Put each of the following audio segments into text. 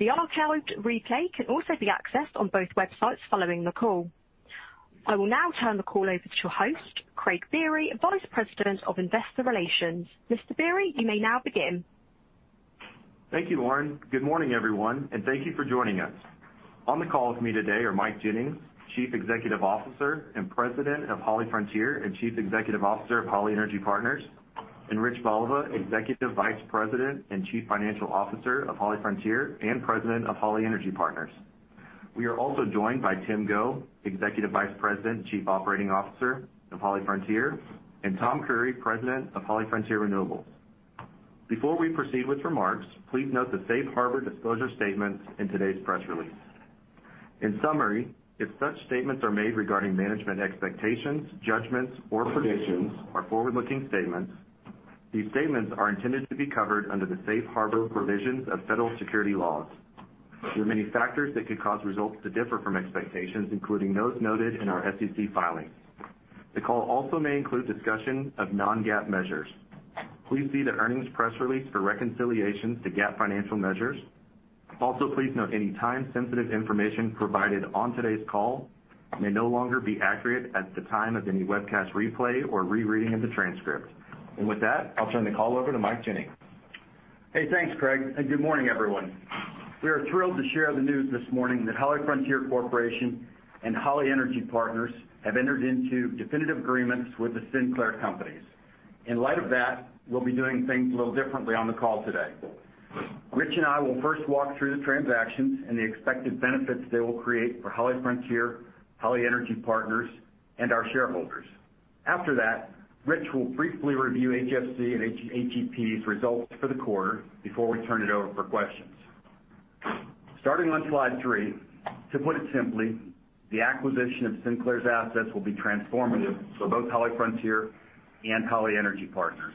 I will now turn the call over to your host, Craig Biery, Vice President, Investor Relations. Mr. Biery, you may now begin. Thank you, Lauren. Good morning, everyone, and thank you for joining us. On the call with me today are Mike Jennings, Chief Executive Officer and President of HollyFrontier, and Chief Executive Officer of Holly Energy Partners, and Rich Voliva, Executive Vice President and Chief Financial Officer of HollyFrontier, and President of Holly Energy Partners. We are also joined by Tim Go, Executive Vice President and Chief Operating Officer of HollyFrontier, and Tom Creery, President of HollyFrontier Renewables. Before we proceed with remarks, please note the safe harbor disclosure statements in today's press release. In summary, if such statements are made regarding management expectations, judgments, or predictions are forward-looking statements. These statements are intended to be covered under the safe harbor provisions of federal security laws. There are many factors that could cause results to differ from expectations, including those noted in our SEC filings. The call also may include discussion of non-GAAP measures. Please see the earnings press release for reconciliations to GAAP financial measures. Please note any time-sensitive information provided on today's call may no longer be accurate at the time of any webcast replay or rereading of the transcript. With that, I'll turn the call over to Mike Jennings. Hey, thanks, Craig. Good morning, everyone. We are thrilled to share the news this morning that HollyFrontier Corporation and Holly Energy Partners have entered into definitive agreements with the Sinclair companies. In light of that, we'll be doing things a little differently on the call today. Rich and I will first walk through the transactions and the expected benefits they will create for HollyFrontier, Holly Energy Partners, and our shareholders. After that, Rich will briefly review HFC and HEP's results for the quarter before we turn it over for questions. Starting on slide three, to put it simply, the acquisition of Sinclair's assets will be transformative for both HollyFrontier and Holly Energy Partners.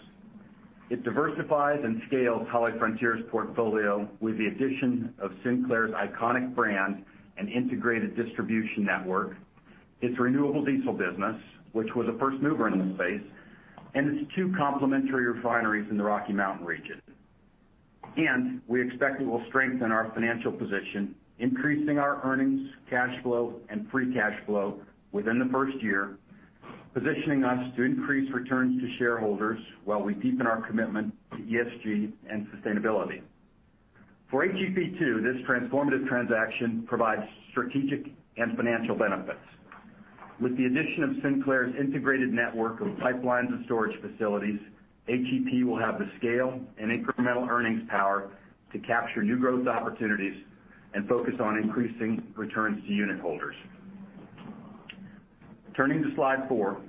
It diversifies and scales HollyFrontier's portfolio with the addition of Sinclair's iconic brand and integrated distribution network, its renewable diesel business, which was a first mover in the space, and its two complementary refineries in the Rocky Mountain region. We expect it will strengthen our financial position, increasing our earnings, cash flow, and free cash flow within the first year, positioning us to increase returns to shareholders while we deepen our commitment to ESG and sustainability. For HEP too, this transformative transaction provides strategic and financial benefits. With the addition of Sinclair's integrated network of pipelines and storage facilities, HEP will have the scale and incremental earnings power to capture new growth opportunities and focus on increasing returns to unitholders. Turning to slide four.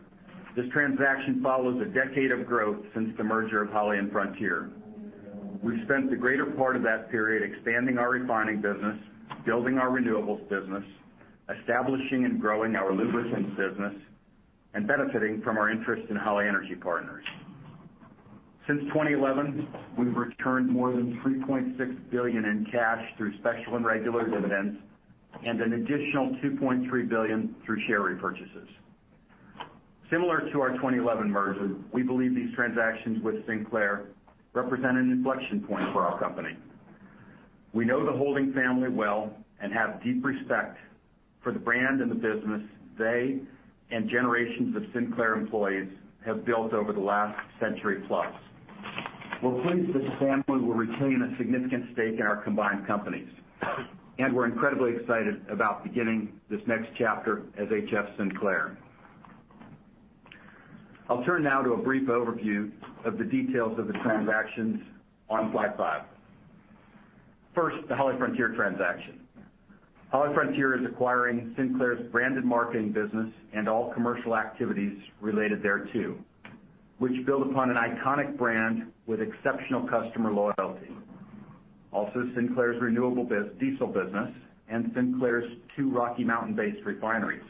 This transaction follows a decade of growth since the merger of Holly and Frontier. We've spent the greater part of that period expanding our refining business, building our renewables business, establishing and growing our lubricants business, and benefiting from our interest in Holly Energy Partners. Since 2011, we've returned more than $3.6 billion in cash through special and regular dividends, and an additional $2.3 billion through share repurchases. Similar to our 2011 merger, we believe these transactions with Sinclair represent an inflection point for our company. We know the Holding family well and have deep respect for the brand and the business they and generations of Sinclair employees have built over the last century plus. We're pleased this family will retain a significant stake in our combined companies, and we're incredibly excited about beginning this next chapter as HF Sinclair. I'll turn now to a brief overview of the details of the transactions on slide five. First, the HollyFrontier transaction. HollyFrontier is acquiring Sinclair's branded marketing business and all commercial activities related thereto, which build upon an iconic brand with exceptional customer loyalty. Also, Sinclair's renewable diesel business and Sinclair's two Rocky Mountain-based refineries.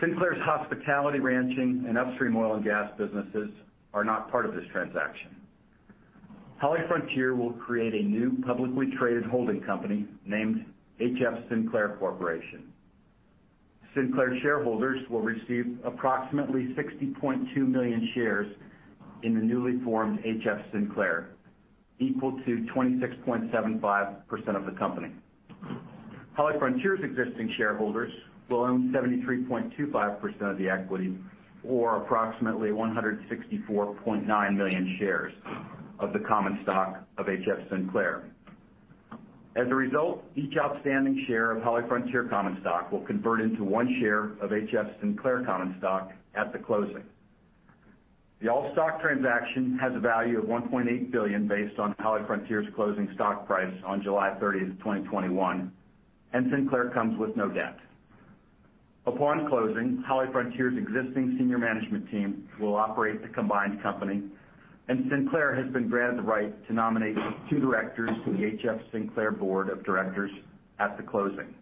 Sinclair's hospitality, ranching, and upstream oil and gas businesses are not part of this transaction. HollyFrontier will create a new publicly traded holding company named HF Sinclair Corporation. Sinclair shareholders will receive approximately 60.2 million shares in the newly formed HF Sinclair, equal to 26.75% of the company. HollyFrontier's existing shareholders will own 73.25% of the equity, or approximately 164.9 million shares of the common stock of HF Sinclair. As a result, each outstanding share of HollyFrontier common stock will convert into one share of HF Sinclair common stock at the closing. The all-stock transaction has a value of $1.8 billion based on HollyFrontier's closing stock price on July 30th, 2021, and Sinclair comes with no debt. Upon closing, HollyFrontier's existing senior management team will operate the combined company, and Sinclair has been granted the right to nominate two directors to the HF Sinclair board of directors at the closing.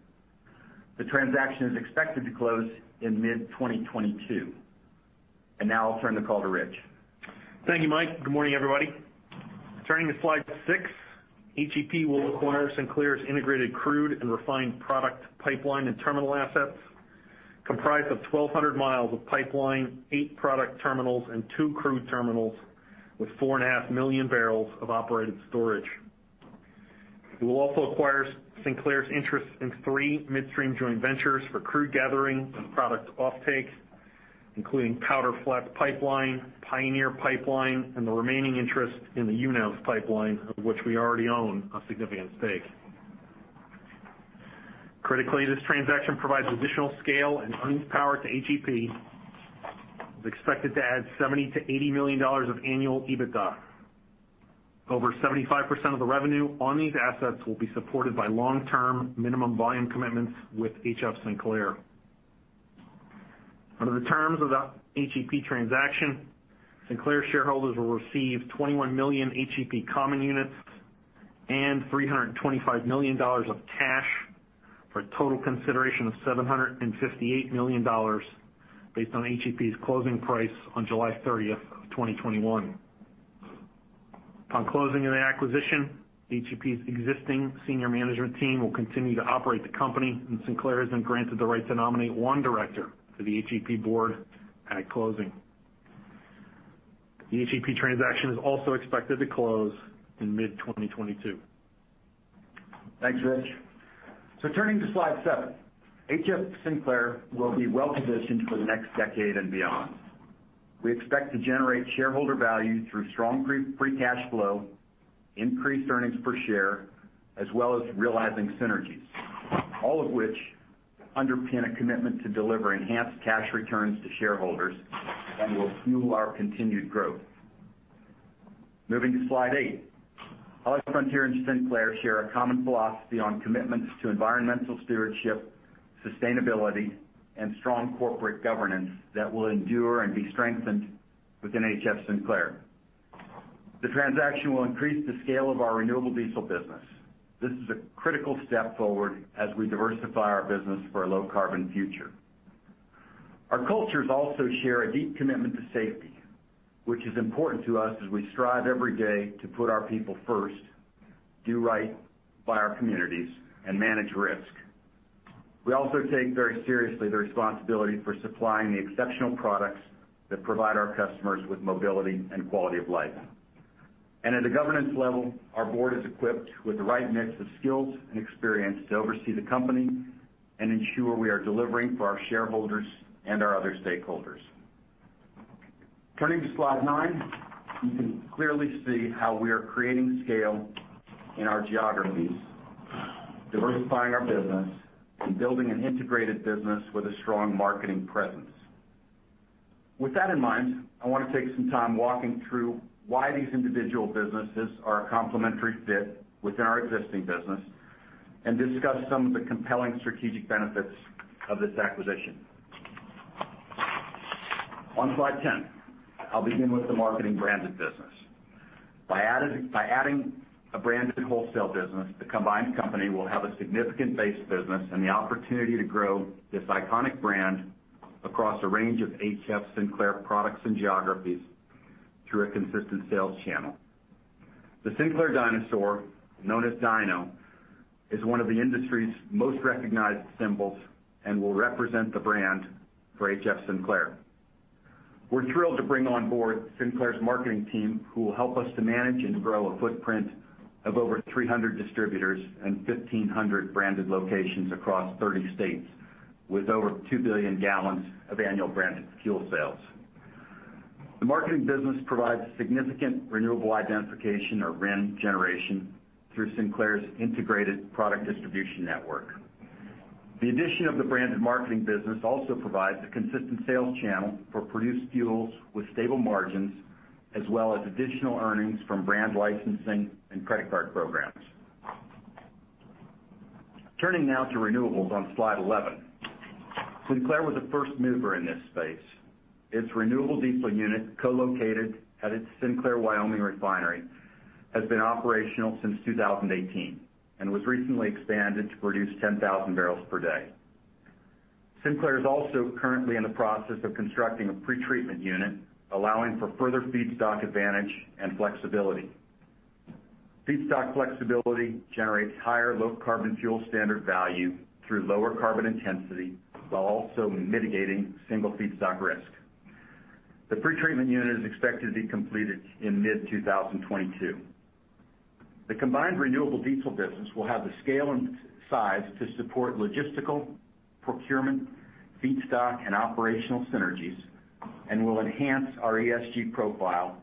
The transaction is expected to close in mid-2022. Now I'll turn the call to Rich. Thank you, Mike. Good morning, everybody. Turning to slide six, HEP will acquire Sinclair's integrated crude and refined product pipeline and terminal assets, comprised of 1,200 mi of pipeline, eight product terminals and two crude terminals, with 4.5 MMbbl of operated storage. It will also acquire Sinclair's interest in three midstream joint ventures for crude gathering and product offtake, including Powder Flats Pipeline, Pioneer Pipeline, and the remaining interest in the UNEV Pipeline, of which we already own a significant stake. Critically, this transaction provides additional scale and earnings power to HEP. It's expected to add $70 million-$80 million of annual EBITDA. Over 75% of the revenue on these assets will be supported by long-term minimum volume commitments with HF Sinclair. Under the terms of the HEP transaction, Sinclair shareholders will receive 21 million HEP common units and $325 million of cash, for a total consideration of $758 million based on HEP's closing price on July 30th, 2021. Upon closing of the acquisition, HEP's existing senior management team will continue to operate the company, and Sinclair has been granted the right to nominate one director to the HEP board at closing. The HEP transaction is also expected to close in mid-2022. Thanks, Rich. Turning to slide seven, HF Sinclair will be well-positioned for the next decade and beyond. We expect to generate shareholder value through strong free cash flow, increased earnings per share, as well as realizing synergies. All of which underpin a commitment to deliver enhanced cash returns to shareholders and will fuel our continued growth. Moving to slide eight. HollyFrontier and Sinclair share a common philosophy on commitments to environmental stewardship, sustainability, and strong corporate governance that will endure and be strengthened within HF Sinclair. The transaction will increase the scale of our renewable diesel business. This is a critical step forward as we diversify our business for a low-carbon future. Our cultures also share a deep commitment to safety, which is important to us as we strive every day to put our people first, do right by our communities, and manage risk. We also take very seriously the responsibility for supplying the exceptional products that provide our customers with mobility and quality of life. At the governance level, our board is equipped with the right mix of skills and experience to oversee the company and ensure we are delivering for our shareholders and our other stakeholders. Turning to slide nine, you can clearly see how we are creating scale in our geographies, diversifying our business, and building an integrated business with a strong marketing presence. With that in mind, I want to take some time walking through why these individual businesses are a complementary fit within our existing business and discuss some of the compelling strategic benefits of this acquisition. On slide 10, I'll begin with the marketing branded business. By adding a branded wholesale business, the combined company will have a significant base business and the opportunity to grow this iconic brand across a range of HF Sinclair products and geographies through a consistent sales channel. The Sinclair dinosaur, known as Dino, is one of the industry's most recognized symbols and will represent the brand for HF Sinclair. We're thrilled to bring on board Sinclair's marketing team, who will help us to manage and grow a footprint of over 300 distributors and 1,500 branded locations across 30 states, with over 2 Bgal of annual branded fuel sales. The marketing business provides significant renewable identification, or RIN, generation through Sinclair's integrated product distribution network. The addition of the branded marketing business also provides a consistent sales channel for produced fuels with stable margins, as well as additional earnings from brand licensing and credit card programs. Turning now to renewables on slide 11. Sinclair was a first mover in this space. Its renewable diesel unit, co-located at its Sinclair, Wyoming refinery, has been operational since 2018 and was recently expanded to produce 10,000 bpd. Sinclair is also currently in the process of constructing a pretreatment unit, allowing for further feedstock advantage and flexibility. Feedstock flexibility generates higher Low Carbon Fuel Standard value through lower carbon intensity, while also mitigating single feedstock risk. The pretreatment unit is expected to be completed in mid-2022. The combined renewable diesel business will have the scale and size to support logistical, procurement, feedstock and operational synergies and will enhance our ESG profile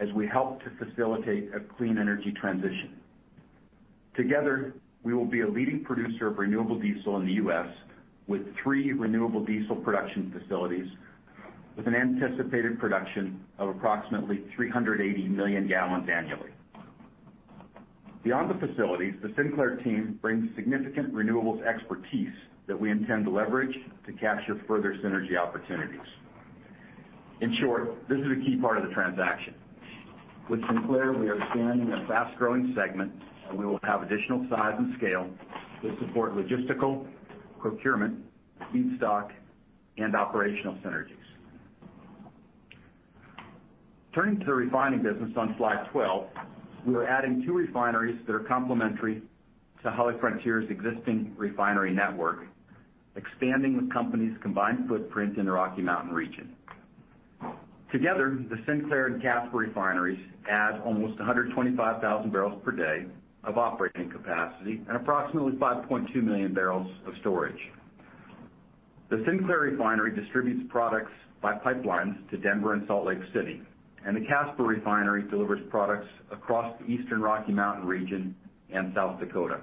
as we help to facilitate a clean energy transition. Together, we will be a leading producer of renewable diesel in the U.S. with three renewable diesel production facilities with an anticipated production of approximately 380 Mgal annually. Beyond the facilities, the Sinclair team brings significant renewables expertise that we intend to leverage to capture further synergy opportunities. In short, this is a key part of the transaction. With Sinclair, we are expanding a fast-growing segment, and we will have additional size and scale to support logistical, procurement, feedstock, and operational synergies. Turning to the refining business on slide 12. We are adding two refineries that are complementary to HollyFrontier's existing refinery network, expanding the company's combined footprint in the Rocky Mountain region. Together, the Sinclair and Casper refineries add almost 125,000 bpd of operating capacity and approximately 5.2 MMbbl of storage. The Sinclair refinery distributes products by pipelines to Denver and Salt Lake City, and the Casper refinery delivers products across the Eastern Rocky Mountain region and South Dakota.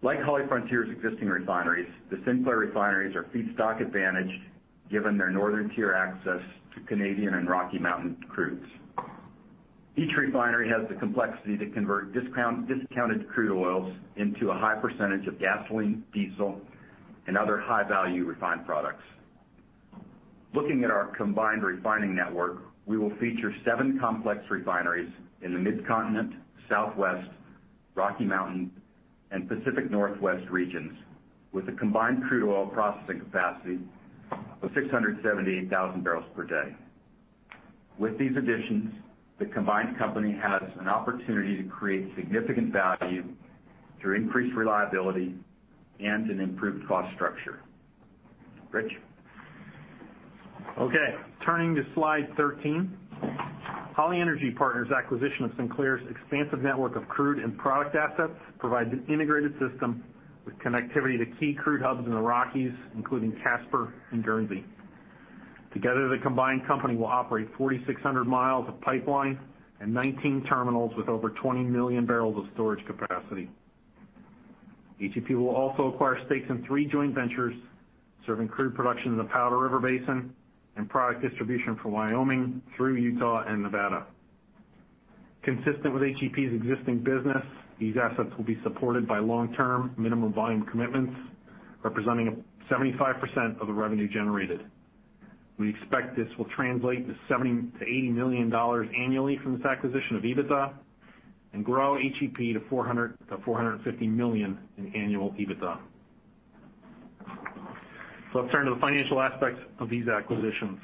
Like HollyFrontier's existing refineries, the Sinclair refineries are feedstock advantaged given their northern tier access to Canadian and Rocky Mountain crudes. Each refinery has the complexity to convert discounted crude oils into a high percentage of gasoline, diesel, and other high-value refined products. Looking at our combined refining network, we will feature seven complex refineries in the Mid-Continent, Southwest, Rocky Mountain, and Pacific Northwest regions with a combined crude oil processing capacity of 678,000 bpd. With these additions, the combined company has an opportunity to create significant value through increased reliability and an improved cost structure. Rich? Okay, turning to slide 13. Holly Energy Partners' acquisition of Sinclair's expansive network of crude and product assets provides an integrated system with connectivity to key crude hubs in the Rockies, including Casper and Guernsey. Together, the combined company will operate 4,600 mi of pipeline and 19 terminals with over 20 MMbbl of storage capacity. HEP will also acquire stakes in three joint ventures serving crude production in the Powder River Basin and product distribution from Wyoming through Utah and Nevada. Consistent with HEP's existing business, these assets will be supported by long-term minimum volume commitments representing 75% of the revenue generated. We expect this will translate to $70 million-$80 million annually from this acquisition of EBITDA and grow HEP to $400 million-$450 million in annual EBITDA. Let's turn to the financial aspects of these acquisitions.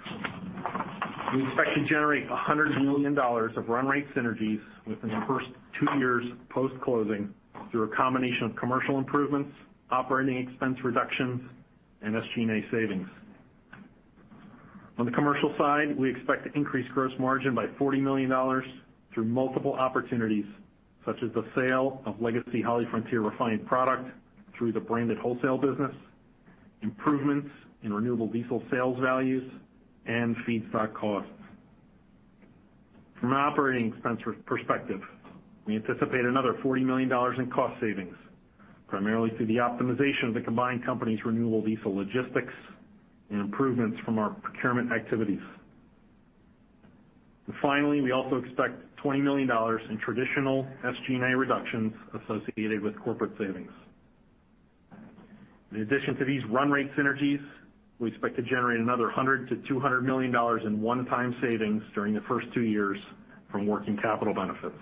We expect to generate $100 million of run rate synergies within the first two years post-closing through a combination of commercial improvements, operating expense reductions, and SG&A savings. On the commercial side, we expect to increase gross margin by $40 million through multiple opportunities, such as the sale of legacy HollyFrontier refined product through the branded wholesale business, improvements in renewable diesel sales values, and feedstock costs. From an operating expense perspective, we anticipate another $40 million in cost savings, primarily through the optimization of the combined company's renewable diesel logistics and improvements from our procurement activities. Finally, we also expect $20 million in traditional SG&A reductions associated with corporate savings. In addition to these run rate synergies, we expect to generate another $100 million-$200 million in one-time savings during the first two years from working capital benefits.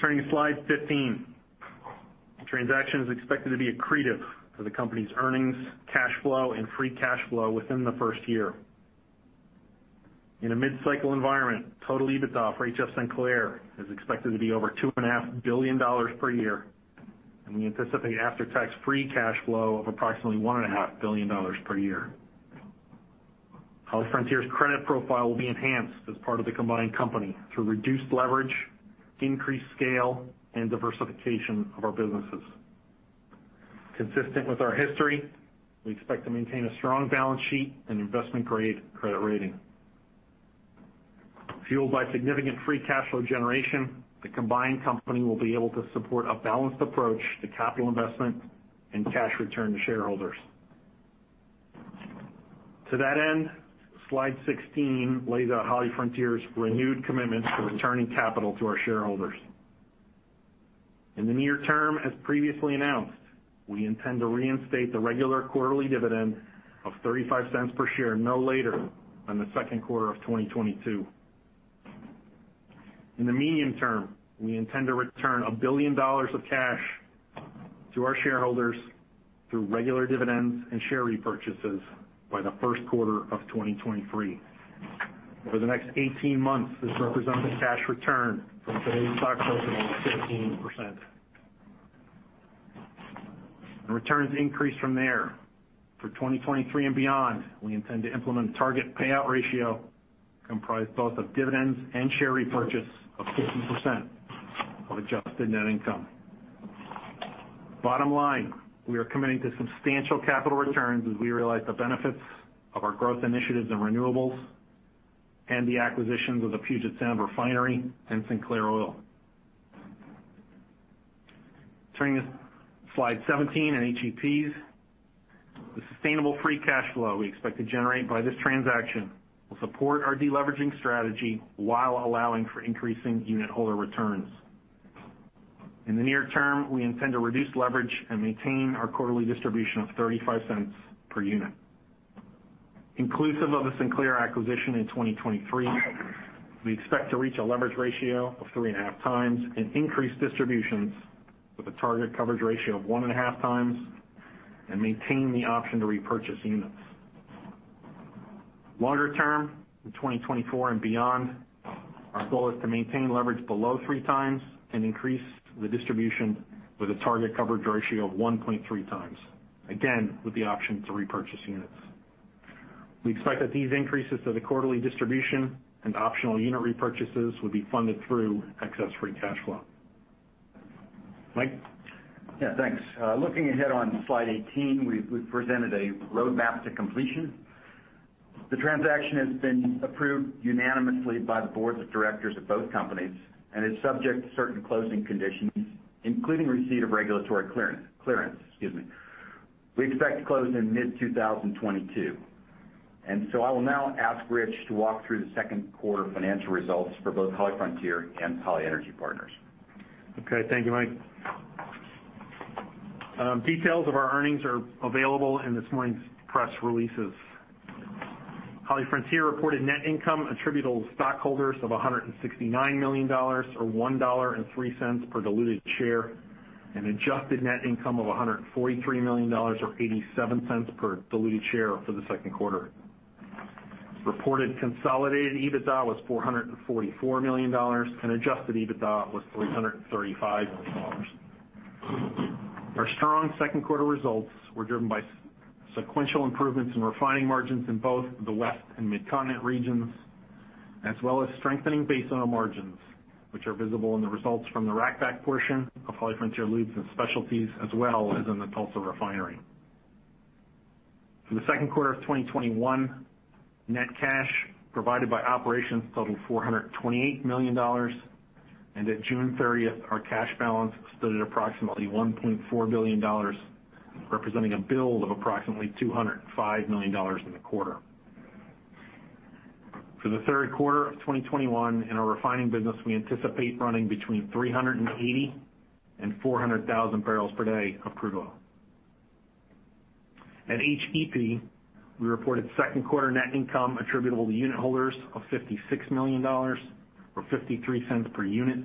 Turning to slide 15. The transaction is expected to be accretive to the company's earnings, cash flow, and free cash flow within the first year. In a mid-cycle environment, total EBITDA for HF Sinclair is expected to be over $2.5 billion per year, and we anticipate after-tax free cash flow of approximately $1.5 billion per year. HollyFrontier's credit profile will be enhanced as part of the combined company through reduced leverage, increased scale, and diversification of our businesses. Consistent with our history, we expect to maintain a strong balance sheet and investment-grade credit rating. Fueled by significant free cash flow generation, the combined company will be able to support a balanced approach to capital investment and cash return to shareholders. To that end, slide 16 lays out HollyFrontier's renewed commitment to returning capital to our shareholders. In the near term, as previously announced, we intend to reinstate the regular quarterly dividend of $0.35 per share no later than the second quarter of 2022. In the medium term, we intend to return a billion dollar of cash to our shareholders through regular dividends and share repurchases by the first quarter of 2023. Over the next 18 months, this represents a cash return from today's stock price of over 15%. Returns increase from there. For 2023 and beyond, we intend to implement a target payout ratio comprised both of dividends and share repurchase of 50% of adjusted net income. Bottom line, we are committing to substantial capital returns as we realize the benefits of our growth initiatives in renewables and the acquisitions of the Puget Sound Refinery and Sinclair Oil. Turning to slide 17 on HEP. The sustainable free cash flow we expect to generate by this transaction will support our de-leveraging strategy while allowing for increasing unit holder returns. In the near term, we intend to reduce leverage and maintain our quarterly distribution of $0.35 per unit. Inclusive of the Sinclair acquisition in 2023, we expect to reach a leverage ratio of 3.5x and increase distributions with a target coverage ratio of 1.5x, and maintain the option to repurchase units. Longer term, in 2024 and beyond, our goal is to maintain leverage below 3x and increase the distribution with a target coverage ratio of 1.3x, again, with the option to repurchase units. We expect that these increases to the quarterly distribution and optional unit repurchases will be funded through excess free cash flow, Mike? Yeah, thanks. Looking ahead on slide 18, we've presented a roadmap to completion. The transaction has been approved unanimously by the boards of directors of both companies and is subject to certain closing conditions, including receipt of regulatory clearance. We expect to close in mid-2022. I will now ask Rich to walk through the second quarter financial results for both HollyFrontier and Holly Energy Partners. Thank you, Mike. Details of our earnings are available in this morning's press releases. HollyFrontier reported net income attributable to stockholders of $169 million, or $1.03 per diluted share, and adjusted net income of $143 million, or $0.87 per diluted share for the second quarter. Reported consolidated EBITDA was $444 million. Adjusted EBITDA was $335 million. Our strong second quarter results were driven by sequential improvements in refining margins in both the West and Mid-Continent regions, as well as strengthening base oil margins, which are visible in the results from the Rack Back portion of HollyFrontier Lubricants & Specialties, as well as in the Tulsa Refinery. For the second quarter of 2021, net cash provided by operations totaled $428 million. At June 30th, our cash balance stood at approximately $1.4 billion, representing a build of approximately $205 million in the quarter. For the third quarter of 2021, in our refining business, we anticipate running between 380,000 bpd and 400,000 bpd of crude oil. At HEP, we reported second quarter net income attributable to unit holders of $56 million, or $0.53 per unit,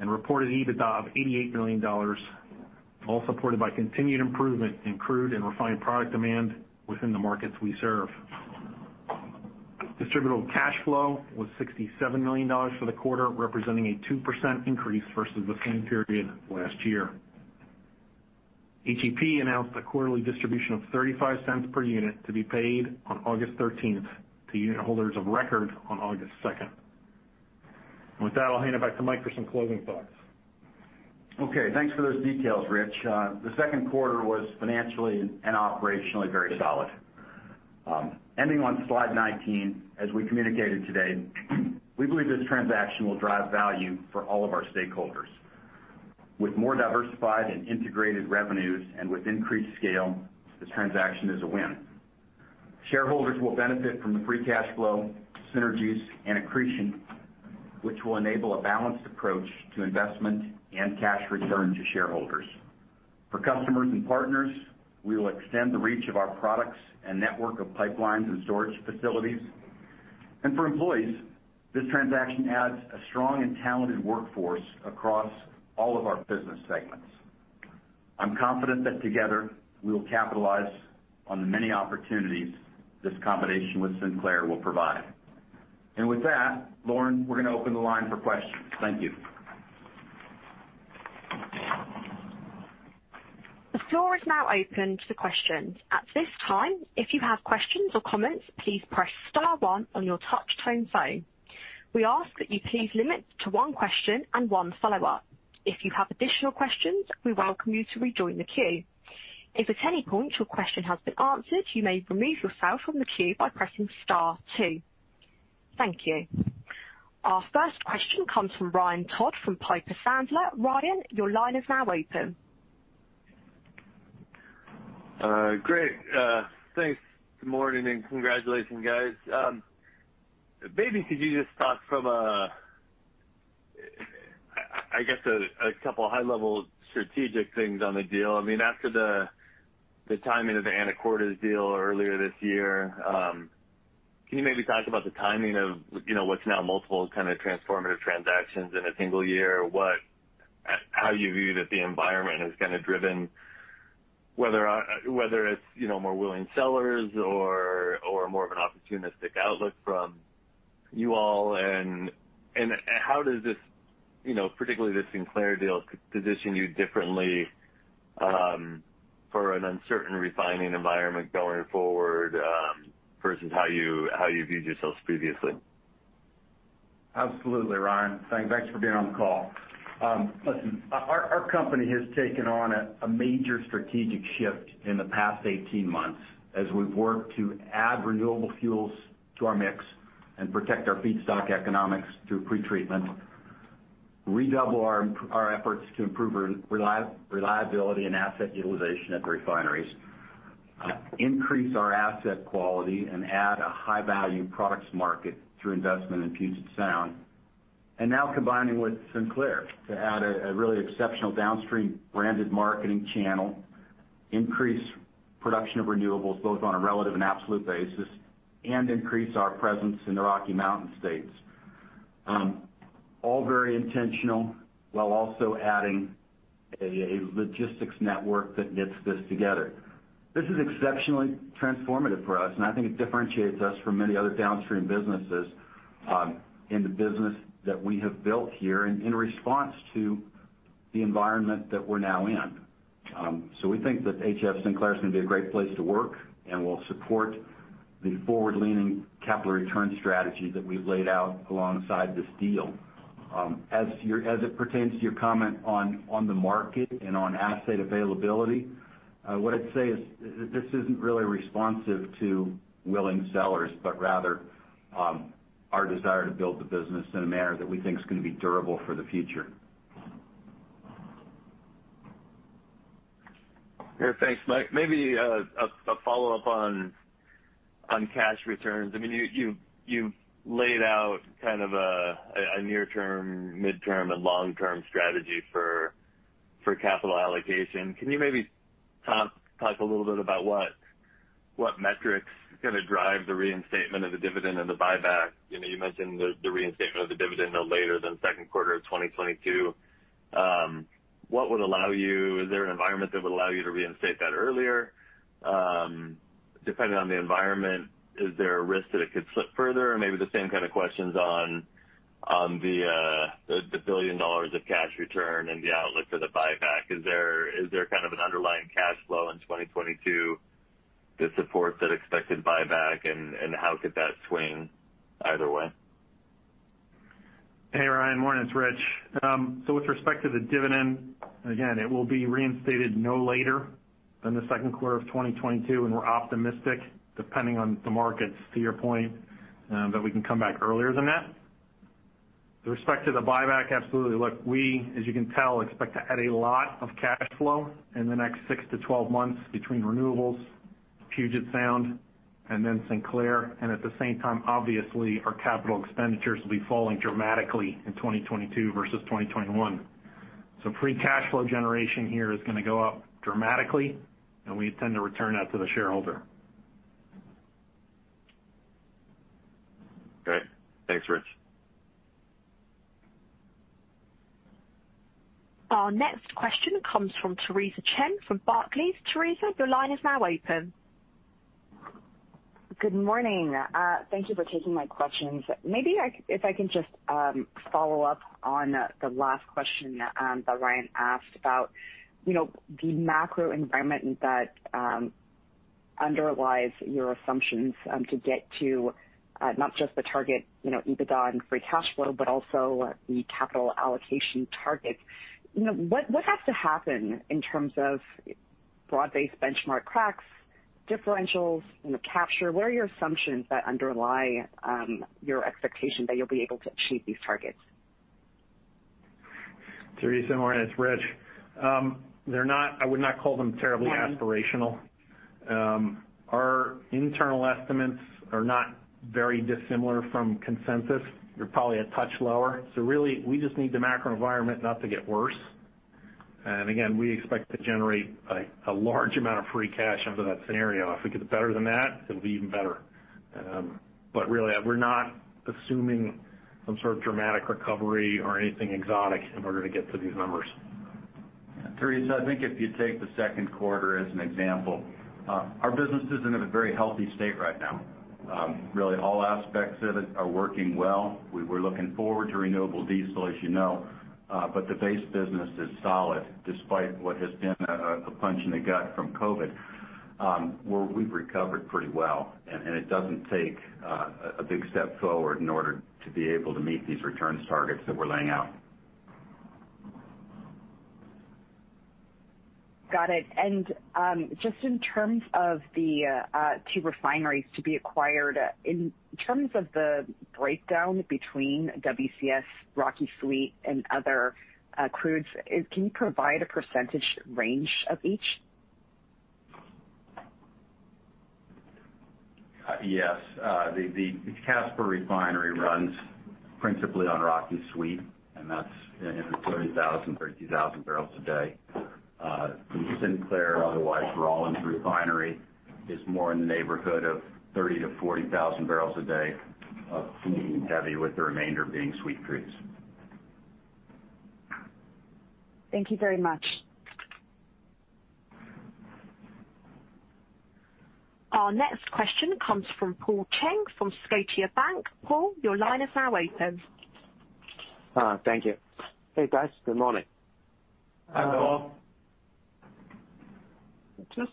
and reported EBITDA of $88 million, all supported by continued improvement in crude and refined product demand within the markets we serve. Distributable cash flow was $67 million for the quarter, representing a 2% increase versus the same period last year. HEP announced a quarterly distribution of $0.35 per unit to be paid on August 13th to unit holders of record on August second. With that, I'll hand it back to Mike for some closing thoughts. Okay, thanks for those details, Rich. The second quarter was financially and operationally very solid. Ending on slide 19, as we communicated today, we believe this transaction will drive value for all of our stakeholders. With more diversified and integrated revenues and with increased scale, this transaction is a win. Shareholders will benefit from the free cash flow, synergies, and accretion, which will enable a balanced approach to investment and cash return to shareholders. For customers and partners, we will extend the reach of our products and network of pipelines and storage facilities. For employees, this transaction adds a strong and talented workforce across all of our business segments. I'm confident that together, we will capitalize on the many opportunities this combination with Sinclair will provide. With that, Lauren, we're going to open the line for questions, thank you. The floor is now open to questions. At this time, if you have questions or comments, please press star one on your touch tone phone. We ask that you please limit to one question and one follow-up. If you have additional questions, we welcome you to rejoin the queue. If at any point your question has been answered, you may remove yourself from the queue by pressing star two, thank you. Our first question comes from Ryan Todd from Piper Sandler, Ryan, your line is now open. Great, thanks. Good morning, and congratulations, guys. Maybe could you just talk from a couple of high-level strategic things on the deal. After the timing of the Anacortes deal earlier this year, can you maybe talk about the timing of what's now multiple kind of transformative transactions in a single year? How you view that the environment has kind of driven, whether it's more willing sellers or more of an opportunistic outlook from you all, how does this, particularly this Sinclair deal, position you differently for an uncertain refining environment going forward versus how you viewed yourselves previously? Absolutely, Ryan. Thanks for being on the call. Listen, our company has taken on a major strategic shift in the past 18 months as we've worked to add renewable fuels to our mix and protect our feedstock economics through pretreatment, redouble our efforts to improve reliability and asset utilization at the refineries, increase our asset quality, and add a high-value products market through investment in Puget Sound. Now combining with Sinclair to add a really exceptional downstream branded marketing channel, increase production of renewables, both on a relative and absolute basis, and increase our presence in the Rocky Mountain states. All very intentional, while also adding a logistics network that knits this together. This is exceptionally transformative for us, and I think it differentiates us from many other downstream businesses in the business that we have built here in response to the environment that we're now in. We think that HF Sinclair is going to be a great place to work, and will support the forward-leaning capital return strategy that we've laid out alongside this deal. As it pertains to your comment on the market and on asset availability, what I'd say is this isn't really responsive to willing sellers, but rather our desire to build the business in a manner that we think is going to be durable for the future. Yeah, thanks, Mike. Maybe a follow-up on cash returns. You've laid out kind of a near-term, mid-term, and long-term strategy for capital allocation. Can you maybe talk a little bit about what metric's going to drive the reinstatement of the dividend and the buyback? You mentioned the reinstatement of the dividend no later than the second quarter of 2022. Is there an environment that would allow you to reinstate that earlier? Depending on the environment, is there a risk that it could slip further? Maybe the same kind of questions on the a billion dollar of cash return and the outlook for the buyback. Is there kind of an underlying cash flow in 2022 to support that expected buyback, and how could that swing either way? Hey, Ryan. Morning, it's Rich. With respect to the dividend, again, it will be reinstated no later than the second quarter of 2022, and we're optimistic, depending on the markets, to your point, that we can come back earlier than that. With respect to the buyback, absolutely. Look, we, as you can tell, expect to add a lot of cash flow in the next 6-12 months between Renewables, Puget Sound, and then Sinclair. At the same time, obviously, our capital expenditures will be falling dramatically in 2022 versus 2021. Free cash flow generation here is going to go up dramatically, and we intend to return that to the shareholder. Great, thanks, Rich. Our next question comes from Theresa Chen from Barclays. Theresa, your line is now open. Good morning, thank you for taking my questions. Maybe if I can just follow up on the last question that Ryan asked about the macro environment that underlies your assumptions to get to not just the target EBITDA and free cash flow, but also the capital allocation targets. What has to happen in terms of broad-based benchmark cracks, differentials in the capture? What are your assumptions that underlie your expectation that you'll be able to achieve these targets? Theresa, morning, it's Rich. I would not call them terribly aspirational. Our internal estimates are not very dissimilar from consensus. They're probably a touch lower. Really, we just need the macro environment not to get worse. Again, we expect to generate a large amount of free cash under that scenario. If it gets better than that, it'll be even better. Really, we're not assuming some sort of dramatic recovery or anything exotic in order to get to these numbers. Theresa, I think if you take the second quarter as an example, our business is in a very healthy state right now. Really, all aspects of it are working well. We were looking forward to renewable diesel, as you know. The base business is solid, despite what has been a punch in the gut from COVID, where we've recovered pretty well. It doesn't take a big step forward in order to be able to meet these returns targets that we're laying out. Got it, just in terms of the two refineries to be acquired, in terms of the breakdown between WCS, Rocky Sweet, and other crudes, can you provide a percentage range of each? Yes, the Casper refinery runs principally on Rocky Sweet, and that's in the 30,000 bpd. The Sinclair, otherwise, Rawlins refinery, is more in the neighborhood of 30,000 bpd-40,000 bpd of heavy, with the remainder being sweet crudes. Thank you very much. Our next question comes from Paul Cheng from Scotiabank. Paul, your line is now open. Thank you. Hey, guys, good morning. Hi, Paul. Just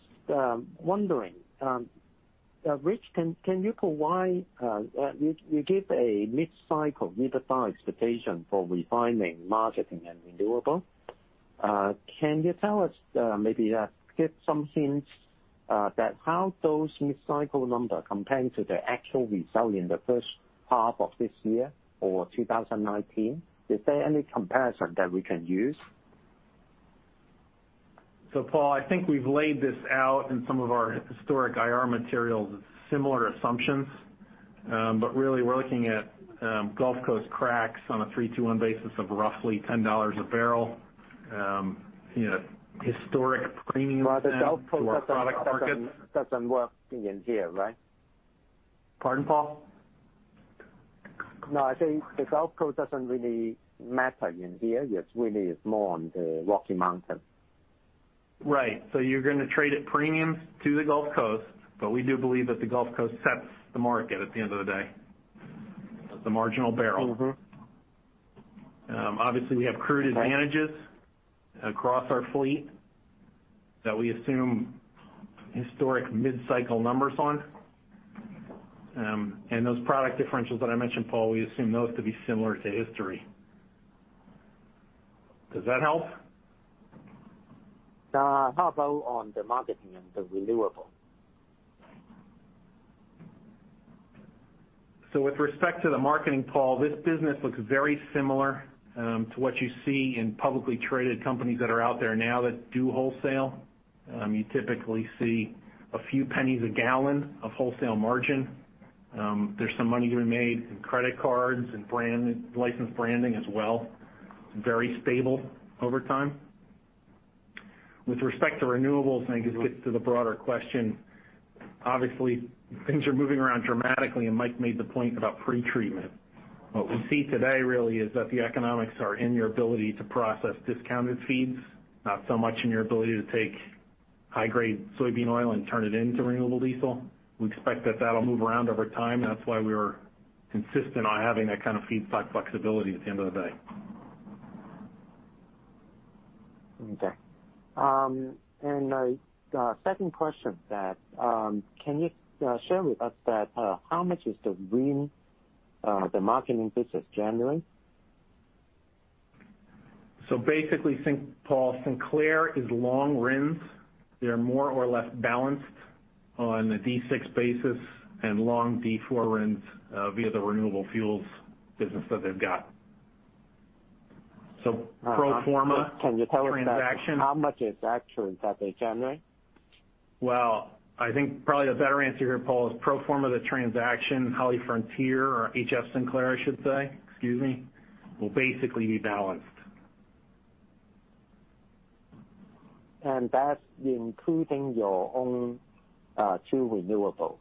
wondering, Rich, you give a mid-cycle EBITDA expectation for refining, marketing, and renewable. Can you tell us, maybe give some hints, how those mid-cycle numbers compare to the actual result in the first half of this year or 2019? Is there any comparison that we can use? Paul, I think we've laid this out in some of our historic IR materials with similar assumptions. Really, we're looking at Gulf Coast cracks on a three-two-one basis of roughly $10 a barrel, historic premiums then to our product market. The Gulf Coast doesn't work in here, right? Pardon, Paul? No, I said the Gulf Coast doesn't really matter in here. It's really more on the Rocky Mountain. Right, you're going to trade at premiums to the Gulf Coast, but we do believe that the Gulf Coast sets the market at the end of the day, the marginal barrel. Obviously, we have crude advantages across our fleet that we assume historic mid-cycle numbers on. Those product differentials that I mentioned, Paul, we assume those to be similar to history, does that help? How about on the marketing and the Renewables? With respect to the marketing, Paul, this business looks very similar to what you see in publicly traded companies that are out there now that do wholesale. You typically see a few pennies a gallon of wholesale margin. There's some money to be made in credit cards and licensed branding as well. Very stable over time. With respect to renewables, and I guess get to the broader question, obviously, things are moving around dramatically, and Mike made the point about pretreatment. What we see today really is that the economics are in your ability to process discounted feeds, not so much in your ability to take high-grade soybean oil and turn it into renewable diesel. We expect that that'll move around over time. That's why we were consistent on having that kind of feedstock flexibility at the end of the day. Okay, a second question, can you share with us how much is the RIN, the marketing business January? Basically, Paul, Sinclair is long RINS. They're more or less balanced on a D6 basis and long D4 RINS via the renewable fuels business that they've got, pro forma transaction- Can you tell us how much is actual that they generate? Well, I think probably the better answer here, Paul, is pro forma the transaction, HollyFrontier or HF Sinclair, I should say, excuse me, will basically be balanced. That's including your own two renewable.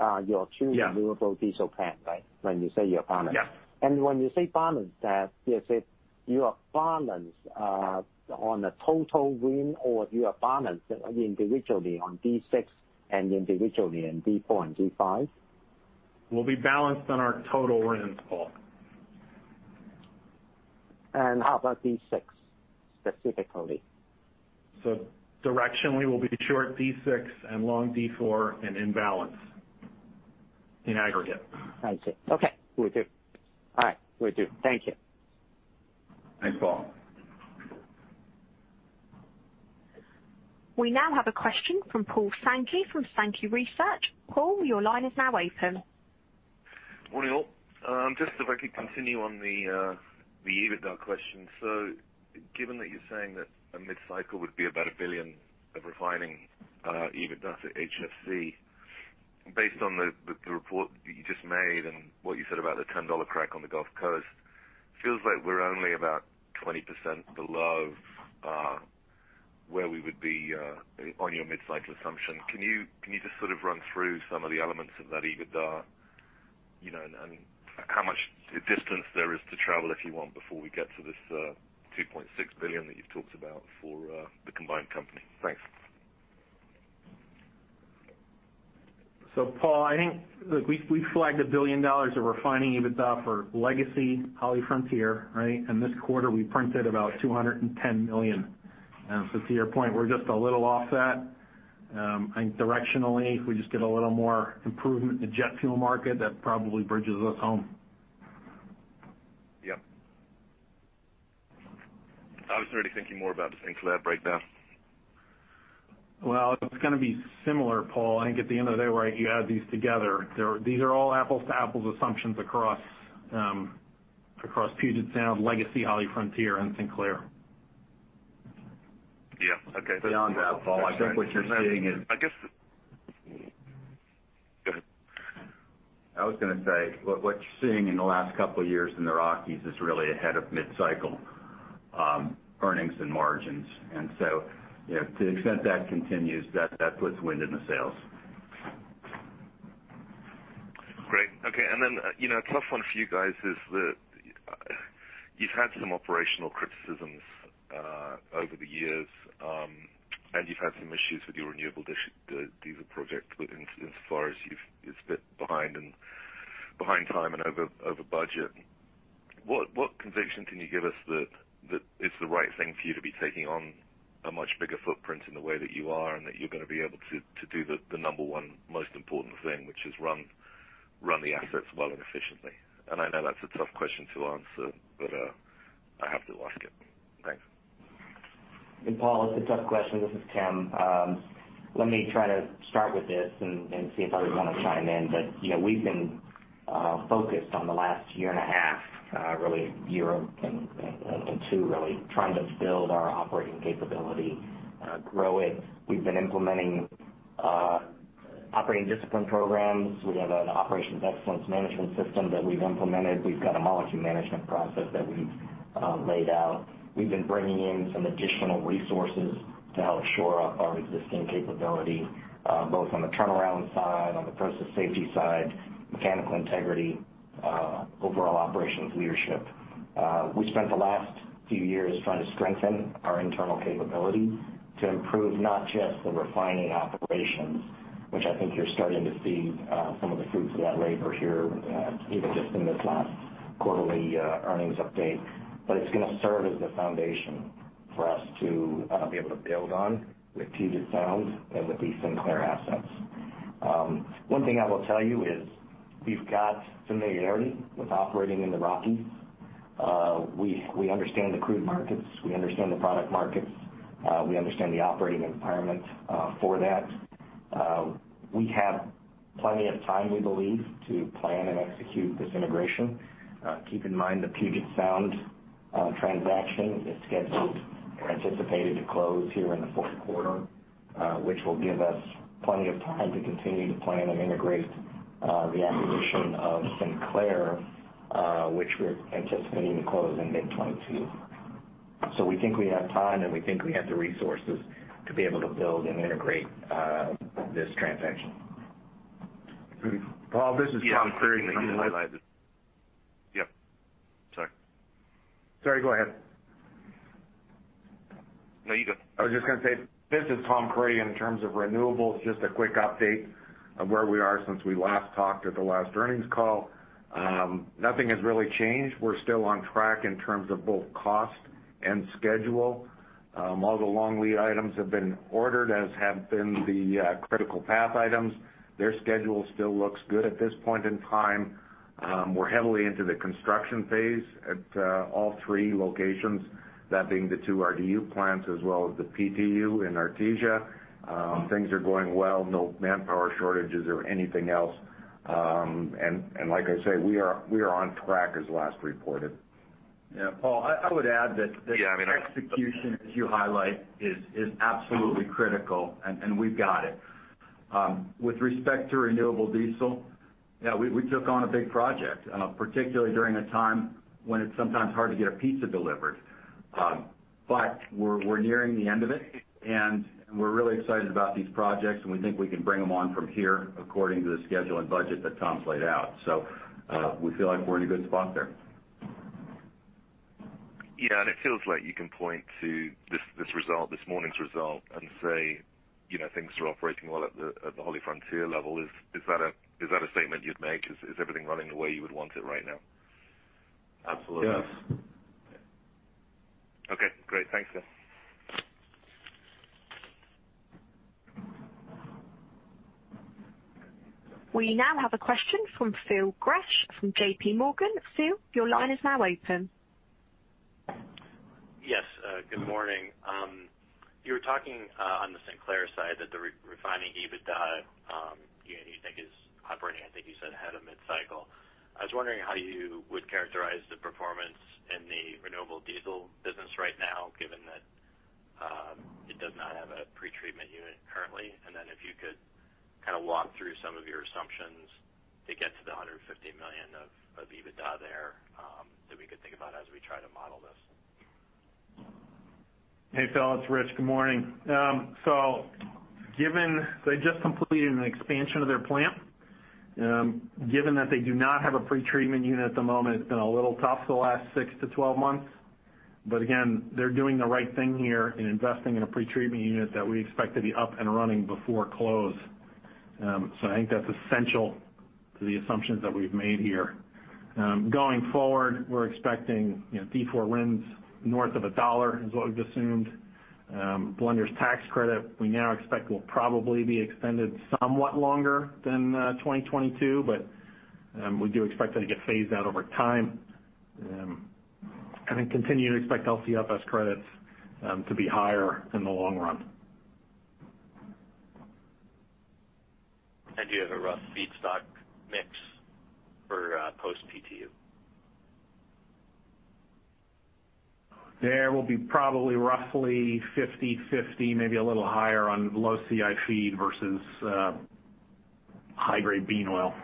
Your two renewable diesel plant, right? When you say you're balanced. Yeah. When you say balanced, is it you are balanced on the total RIN or you are balanced individually on D6 and individually in D4 and D5? We'll be balanced on our total RINS, Paul. How about D6 specifically? Directionally, we'll be short D6 and long D4 and in balance in aggregate. I see, okay. Will do, all right. Will do, thank you. Thanks, Paul. We now have a question from Paul Sankey from Sankey Research. Paul, your line is now open. Morning, all, just if I could continue on the EBITDA question. Given that you're saying that a mid-cycle would be about a billion of refining EBITDA to HFC, based on the report that you just made and what you said about the $10 crack on the Gulf Coast, feels like we're only about 20% below where we would be on your mid-cycle assumption. Can you just sort of run through some of the elements of that EBITDA, and how much distance there is to travel, if you want, before we get to this $2.6 billion that you've talked about for the combined company? Thanks. Paul, I think, look, we flagged a billion dollar of refining EBITDA for legacy HollyFrontier, right? This quarter, we printed about $210 million. To your point, we're just a little off that. I think directionally, if we just get a little more improvement in the jet fuel market, that probably bridges us home. Yep, I was really thinking more about the Sinclair breakdown. Well, it's going to be similar, Paul. I think at the end of the day, right, you add these together. These are all apples to apples assumptions across Puget Sound, legacy HollyFrontier and Sinclair. Yeah, okay. Beyond that, Paul, I think what you're seeing. I guess, go ahead. I was going to say, what you're seeing in the last couple of years in the Rockies is really ahead of mid-cycle earnings and margins. To the extent that continues, that puts wind in the sails. Great, okay. A tough one for you guys is that you've had some operational criticisms over the years, and you've had some issues with your renewable diesel project insofar as it's a bit behind time and over budget. What conviction can you give us that it's the right thing for you to be taking on a much bigger footprint in the way that you are, and that you're going to be able to do the number one most important thing, which is run the assets well and efficiently. I know that's a tough question to answer, but I have to ask it, thanks. Paul, it's a tough question, this is Tim. Let me try to start with this and see if others want to chime in. We've been focused on the last year and a half, really year and two really, trying to build our operating capability, grow it. We've been implementing operating discipline programs. We have an operations excellence management system that we've implemented. We've got a molecule management process that we've laid out. We've been bringing in some additional resources to help shore up our existing capability, both on the turnaround side, on the process safety side, mechanical integrity, overall operations leadership. We spent the last few years trying to strengthen our internal capability to improve, not just the refining operations, which I think you're starting to see some of the fruits of that labor here, even just in this last quarterly earnings update. It's going to serve as the foundation for us to be able to build on with Puget Sound and with the Sinclair assets. One thing I will tell you is we've got familiarity with operating in the Rockies. We understand the crude markets. We understand the product markets. We understand the operating environment for that. We have plenty of time, we believe, to plan and execute this integration. Keep in mind, the Puget Sound transaction is scheduled, anticipated to close here in the fourth quarter, which will give us plenty of time to continue to plan and integrate the acquisition of Sinclair, which we're anticipating to close in mid 2022. We think we have time, and we think we have the resources to be able to build and integrate this transaction. Paul, this is Tom Creery. Yeah, sorry. Sorry, go ahead. No, you go. I was just going to say, this is Tom Creery. In terms of renewables, just a quick update of where we are since we last talked at the last earnings call. Nothing has really changed. We're still on track in terms of both cost and schedule. All the long-lead items have been ordered, as have been the critical path items. Their schedule still looks good at this point in time. We're heavily into the construction phase at all three locations, that being the two RDU plants as well as the PTU in Artesia. Things are going well, no manpower shortages or anything else. Like I say, we are on track as last reported. Yeah, Paul, I would add. Yeah, I mean our- The execution that you highlight is absolutely critical, and we've got it. With respect to renewable diesel, yeah, we took on a big project, particularly during a time when it's sometimes hard to get a pizza delivered. We're nearing the end of it, and we're really excited about these projects, and we think we can bring them on from here according to the schedule and budget that Tom's laid out. We feel like we're in a good spot there. Yeah, it feels like you can point to this morning's result and say things are operating well at the HollyFrontier level. Is that a statement you'd make? Is everything running the way you would want it right now? Absolutely. Yes. Okay, great, thanks. We now have a question from Phil Gresh from J.P. Morgan. Phil, your line is now open. Yes, good morning. You were talking on the Sinclair side that the refining EBITDA you think is operating, I think you said ahead of mid-cycle. I was wondering how you would characterize the performance in the renewable diesel business right now, given that it does not have a pretreatment unit currently. Then if you could walk through some of your assumptions to get to the $150 million of EBITDA there that we could think about as we try to model this. Hey, Phil, it's Rich. Good morning. They just completed an expansion of their plant. Given that they do not have a pretreatment unit at the moment, it's been a little tough the last 6-12 months. Again, they're doing the right thing here in investing in a pretreatment unit that we expect to be up and running before close. I think that's essential to the assumptions that we've made here. Going forward, we're expecting D4 RINs north of a dollar is what we've assumed. Blenders Tax Credit, we now expect will probably be extended somewhat longer than 2022. We do expect that to get phased out over time. Continue to expect LCFS credits to be higher in the long run. Any idea of a rough feedstock mix for post PTU? There will be probably roughly 50/50, maybe a little higher on low CI feed versus high-grade bean oil.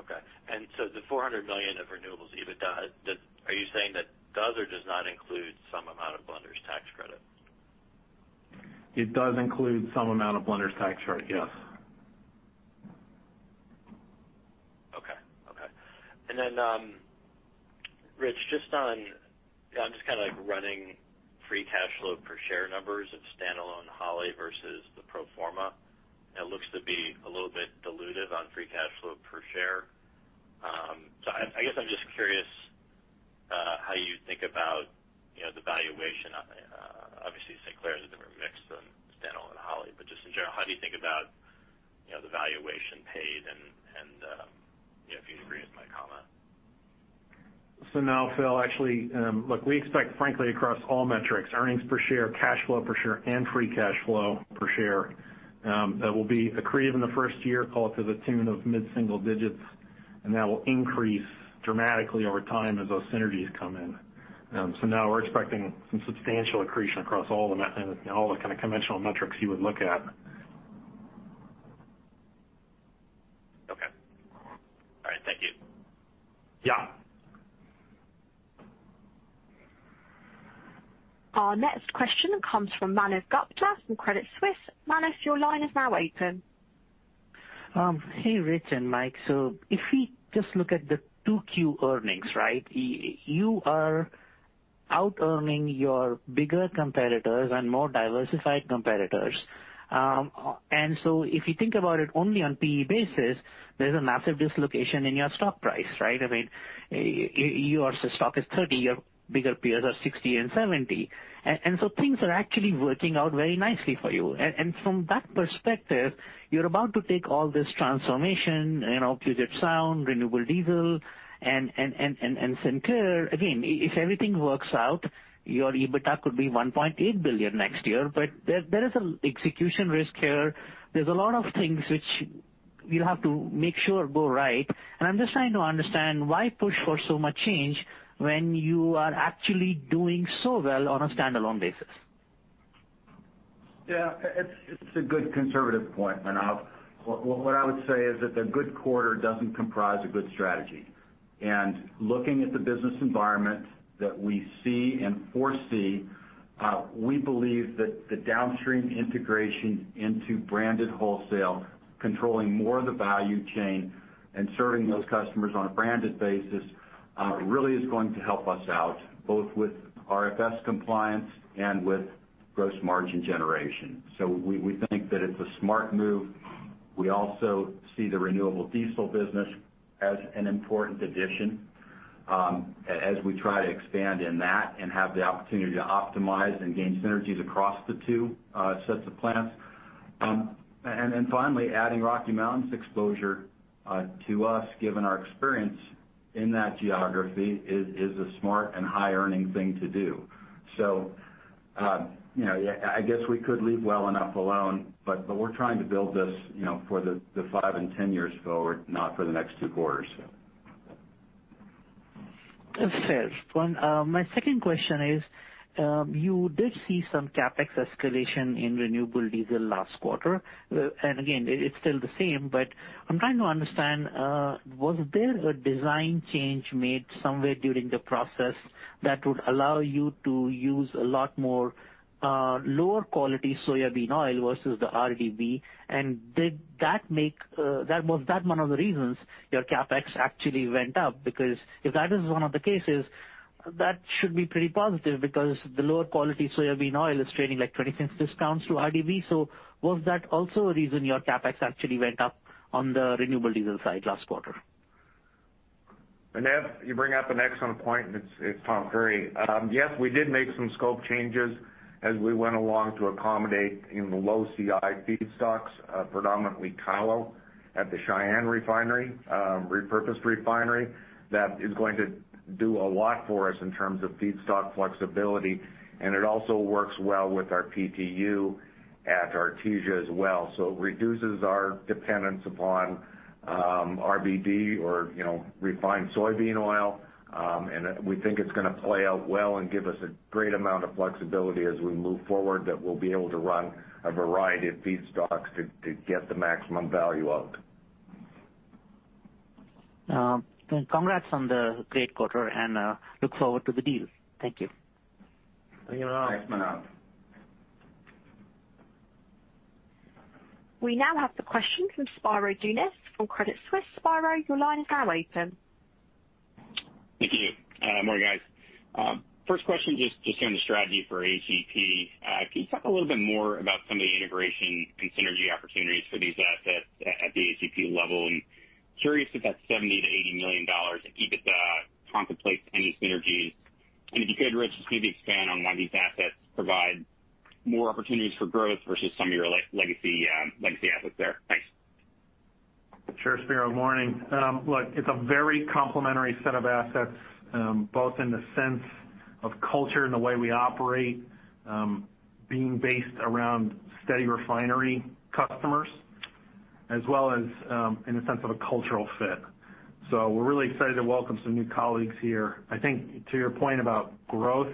Okay, the $400 million of Renewables EBITDA, are you saying that does or does not include some amount of Blenders Tax Credit? It does include some amount of Blenders Tax Credit, yes. Okay, Rich, I'm just running free cash flow per share numbers of standalone Holly versus the pro forma. It looks to be a little bit dilutive on free cash flow per share. I guess I'm just curious how you think about the valuation. Obviously, Sinclair has a different mix than standalone Holly. Just in general, how do you think about the valuation paid and if you agree with my comment? Now, Phil, actually, look, we expect frankly across all metrics, earnings per share, cash flow per share, and free cash flow per share, that will be accretive in the first year, call it to the tune of mid-single digits, and that will increase dramatically over time as those synergies come in. Now we're expecting some substantial accretion across all the kind of conventional metrics you would look at. Okay, all right, thank you. Yeah. Our next question comes from Manav Gupta from Credit Suisse. Manav, your line is now open. Hey, Rich and Mike. If we just look at the 2Q earnings, right. You are out-earning your bigger competitors and more diversified competitors. If you think about it only on PE basis, there's a massive dislocation in your stock price, right. I mean, your stock is $30, your bigger peers are $60 and $70. Things are actually working out very nicely for you. From that perspective, you're about to take all this transformation, Puget Sound, renewable diesel, and Sinclair. Again, if everything works out, your EBITDA could be $1.8 billion next year. There is an execution risk here, there's a lot of things which you have to make sure go right. I'm just trying to understand why push for so much change when you are actually doing so well on a standalone basis. Yeah, it's a good conservative point, Manav. What I would say is that the good quarter doesn't comprise a good strategy. Looking at the business environment that we see and foresee, we believe that the downstream integration into branded wholesale, controlling more of the value chain, and serving those customers on a branded basis really is going to help us out, both with RFS compliance and with gross margin generation. We think that it's a smart move. We also see the renewable diesel business as an important addition as we try to expand in that and have the opportunity to optimize and gain synergies across the two sets of plants. Finally, adding Rocky Mountains exposure to us, given our experience in that geography, is a smart and high-earning thing to do. I guess we could leave well enough alone, but we're trying to build this for the five and 10 years forward, not for the next two quarters. Fair, my second question is, you did see some CapEx escalation in renewable diesel last quarter. Again, it's still the same, but I'm trying to understand, was there a design change made somewhere during the process that would allow you to use a lot more lower quality soybean oil versus the RBD? Was that one of the reasons your CapEx actually went up? If that is one of the cases, that should be pretty positive because the lower quality soybean oil is trading like $0.20 discounts to RBD. Was that also a reason your CapEx actually went up on the renewable diesel side last quarter? Manav, you bring up an excellent point, and it's spot on. Yes, we did make some scope changes as we went along to accommodate in the low CI feedstocks, predominantly COWO at the Cheyenne refinery, repurposed refinery. That is going to do a lot for us in terms of feedstock flexibility, and it also works well with our PTU at Artesia as well. It reduces our dependence upon RBD or refined soybean oil, and we think it's going to play out well and give us a great amount of flexibility as we move forward that we'll be able to run a variety of feedstocks to get the maximum value out. Congrats on the great quarter, and look forward to the deal, thank you. Thank you, Manav. We now have the question from Spiro Dounis from Credit Suisse. Spiro, your line is now open. Thank you, morning, guys. First question, just on the strategy for HEP. Can you talk a little bit more about some of the integration and synergy opportunities for these assets at the HEP level? I'm curious if that $70 million-$80 million in EBITDA contemplates any synergies. If you could, Rich, just maybe expand on why these assets provide more opportunities for growth versus some of your legacy assets there. Thanks. Sure, Spiro, morning. It's a very complementary set of assets, both in the sense of culture and the way we operate, being based around steady refinery customers, as well as in the sense of a cultural fit. We're really excited to welcome some new colleagues here. I think to your point about growth,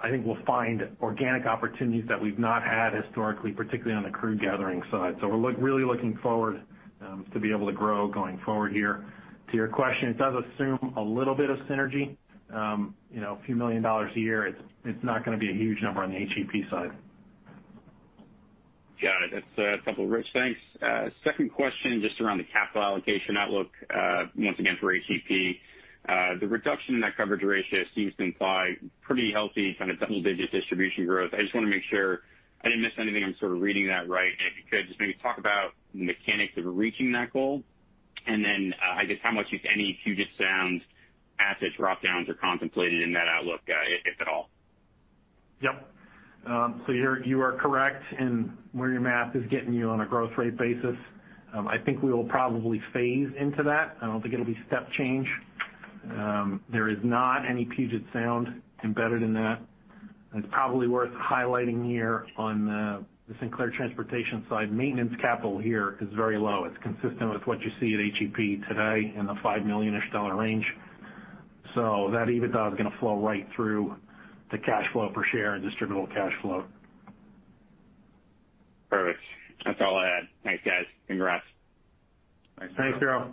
I think we'll find organic opportunities that we've not had historically, particularly on the crude gathering side. We're really looking forward to be able to grow going forward here. To your question, it does assume a little bit of synergy. A few million dollars a year, it's not going to be a huge number on the HEP side. Got it, that's a couple, Rich. Thanks, second question, just around the capital allocation outlook once again for HEP. The reduction in that coverage ratio seems to imply pretty healthy kind of double-digit distribution growth. I just want to make sure I didn't miss anything. I'm sort of reading that right. If you could just maybe talk about the mechanics of reaching that goal, and then I guess how much, if any, Puget Sound assets drop-downs are contemplated in that outlook, if at all? Yep, you are correct in where your math is getting you on a growth rate basis. I think we will probably phase into that. I don't think it'll be step change. There is not any Puget Sound embedded in that. It's probably worth highlighting here on the Sinclair transportation side, maintenance capital here is very low. It's consistent with what you see at HEP today in the $5 million-ish range. That EBITDA is going to flow right through to cash flow per share and distributable cash flow. Perfect, that's all I had. Thanks, guys, congrats. Thanks, Spiro.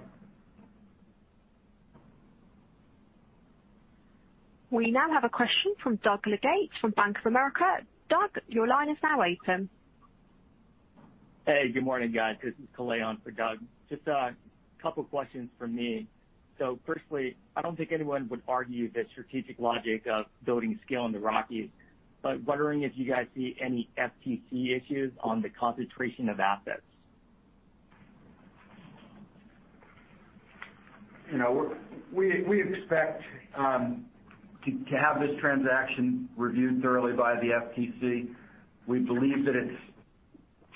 We now have a question from Doug Leggate from Bank of America. Doug, your line is now open. Hey, good morning, guys. This is Kalei on for Doug. Just a couple of questions from me. Firstly, I don't think anyone would argue the strategic logic of building scale in the Rockies, wondering if you guys see any FTC issues on the concentration of assets. We expect to have this transaction reviewed thoroughly by the FTC. We believe that it's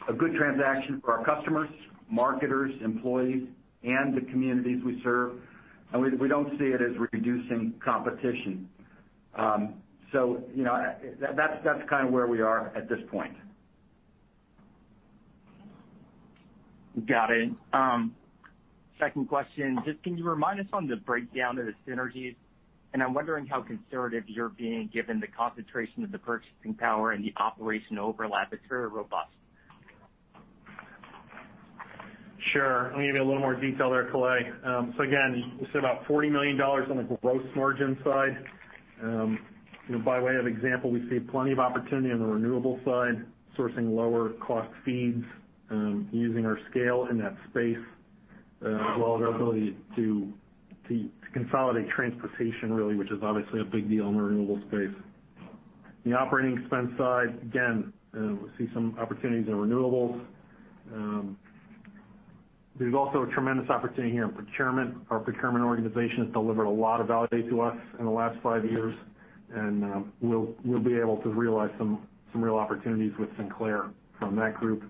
a good transaction for our customers, marketers, employees, and the communities we serve, and we don't see it as reducing competition. That's kind of where we are at this point. Got it, second question, just can you remind us on the breakdown of the synergies? I'm wondering how conservative you're being, given the concentration of the purchasing power and the operation overlap, it's very robust. Sure, I'll give you a little more detail there, Kalei. Again, we said about $40 million on the gross margin side. By way of example, we see plenty of opportunity on the renewable side, sourcing lower cost feeds, using our scale in that space, as well as our ability to consolidate transportation really, which is obviously a big deal in the renewable space. The operating expense side, again, we see some opportunities in renewables. There's also a tremendous opportunity here in procurement. Our procurement organization has delivered a lot of value to us in the last five years, and we'll be able to realize some real opportunities with Sinclair from that group.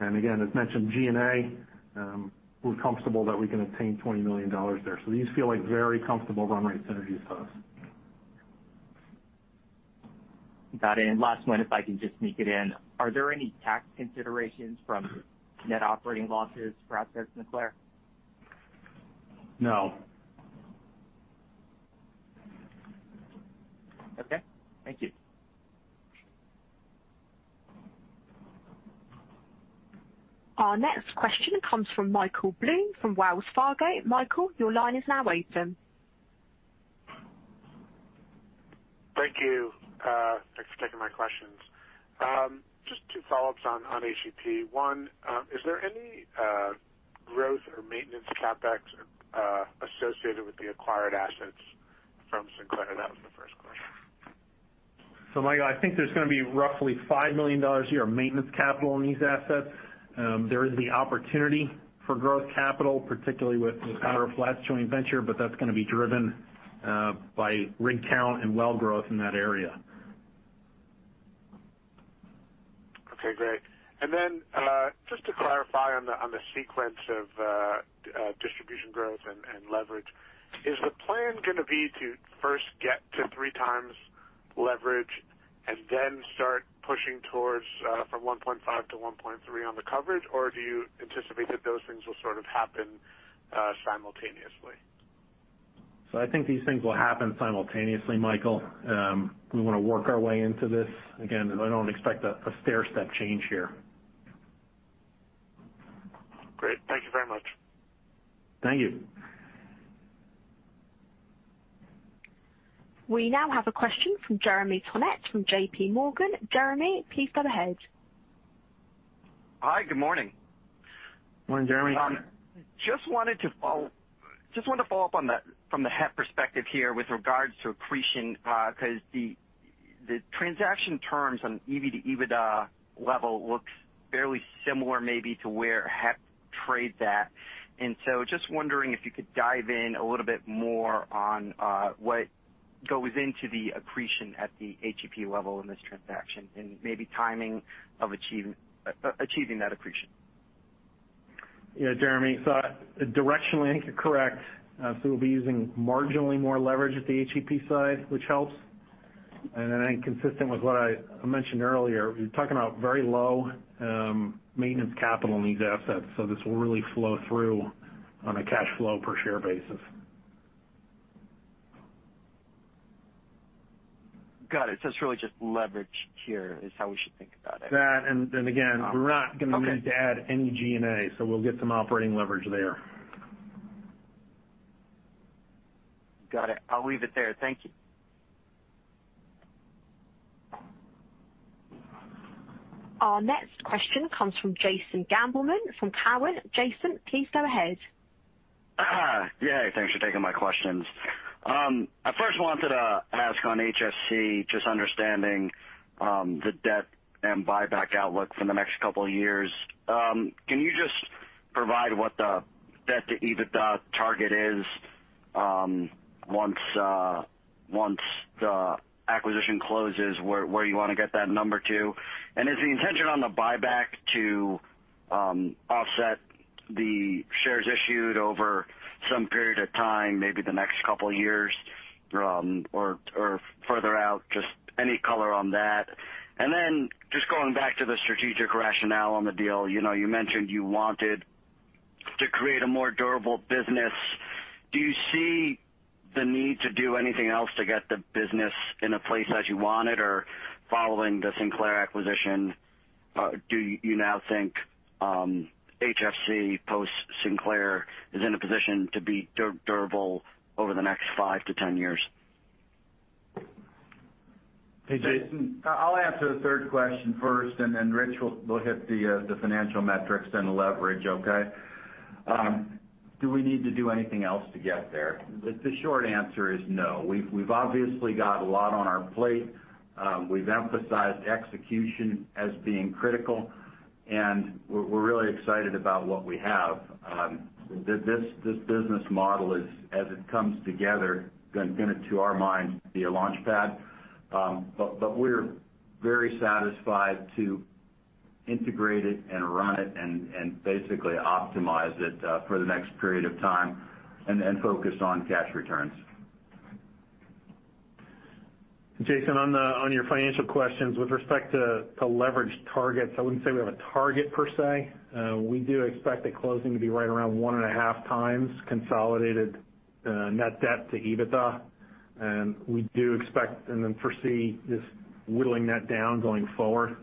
Again, as mentioned, G&A, we're comfortable that we can attain $20 million there. These feel like very comfortable run rate synergies to us. Got it, last one, if I can just sneak it in. Are there any tax considerations from net operating losses for assets Sinclair? No. Okay, thank you. Our next question comes from Michael Blum from Wells Fargo. Michael, your line is now open. Thank you, thanks for taking my questions. Just two follow-ups on HEP. One, is there any growth or maintenance CapEx associated with the acquired assets from Sinclair? That was the first question. Michael, I think there's going to be roughly $5 million a year of maintenance capital on these assets. There is the opportunity for growth capital, particularly with our flats joint venture, that's going to be driven by rig count and well growth in that area. Okay, great. Just to clarify on the sequence of distribution growth and leverage. Is the plan going to be to first get to 3x leverage and then start pushing towards from 1.5x-1.3x on the coverage, or do you anticipate that those things will sort of happen simultaneously? I think these things will happen simultaneously, Michael. We want to work our way into this. Again, I don't expect a stairstep change here. Great, thank you very much. Thank you. We now have a question from Jeremy Tonet from J.P. Morgan. Jeremy, please go ahead. Hi, good morning. Morning, Jeremy. Just wanted to follow up from the HEP perspective here with regards to accretion, because the transaction terms on EB- to EBITDA level looks fairly similar maybe to where HEP trades at. I am just wondering if you could dive in a little bit more on what goes into the accretion at the HEP level in this transaction, and maybe timing of achieving that accretion. Yeah, Jeremy. Directionally, I think you're correct. We'll be using marginally more leverage at the HEP side, which helps. I think consistent with what I mentioned earlier, we're talking about very low maintenance capital in these assets. This will really flow through on a cash flow per share basis. Got it, it's really just leverage here is how we should think about it. That, again, we're not going to need to add any G&A, so we'll get some operating leverage there. Got it, I'll leave it there, thank you. Our next question comes from Jason Gabelman from TD Cowen. Jason, please go ahead. Yeah, thanks for taking my questions. I first wanted to ask on HFC, just understanding the debt and buyback outlook for the next couple of years. Can you just provide what the debt to EBITDA target is once the acquisition closes, where you want to get that number to? Is the intention on the buyback to offset the shares issued over some period of time, maybe the next couple of years, or further out? Just any color on that. Just going back to the strategic rationale on the deal, you mentioned you wanted to create a more durable business. Do you see the need to do anything else to get the business in a place as you want it? Following the Sinclair acquisition, do you now think HFC post Sinclair is in a position to be durable over the next 5-10 years? Hey, Jason. I'll answer the third question first, and then Rich will hit the financial metrics and the leverage, okay? Do we need to do anything else to get there? The short answer is no. We've obviously got a lot on our plate. We've emphasized execution as being critical, and we're really excited about what we have. This business model is, as it comes together, going to our minds, be a launch pad. We're very satisfied to integrate it and run it and basically optimize it for the next period of time and focus on cash returns. Jason, on your financial questions, with respect to leverage targets, I wouldn't say we have a target per se. We do expect the closing to be right around 1.5x consolidated net debt to EBITDA. We do expect and foresee just whittling that down going forward,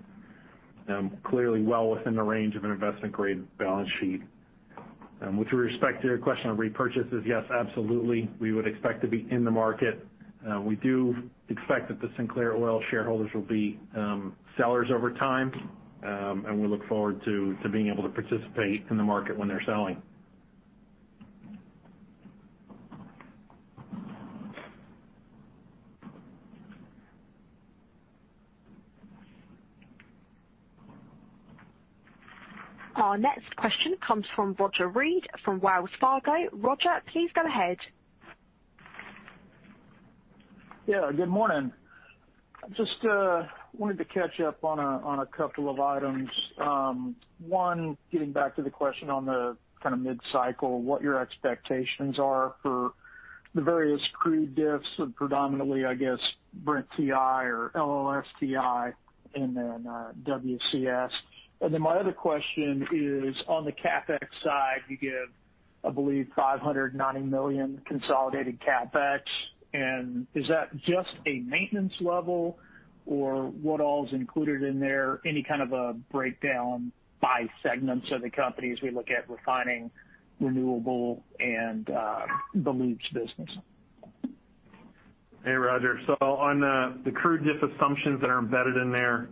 clearly well within the range of an investment-grade balance sheet. With respect to your question on repurchases, yes, absolutely, we would expect to be in the market. We do expect that the Sinclair Oil shareholders will be sellers over time, and we look forward to being able to participate in the market when they're selling. Our next question comes from Roger Read from Wells Fargo. Roger, please go ahead. Yeah, good morning. Just wanted to catch up on a couple of items. One, getting back to the question on the mid-cycle, what your expectations are for the various crude diffs, predominantly, I guess, Brent TI or LLS TI, and then WCS. My other question is on the CapEx side, you give, I believe, $590 million consolidated CapEx, and is that just a maintenance level? Or what all is included in there? Any kind of a breakdown by segments of the company as we look at refining renewable and the Lubricants & Specialties business? Hey, Roger. On the crude diff assumptions that are embedded in there,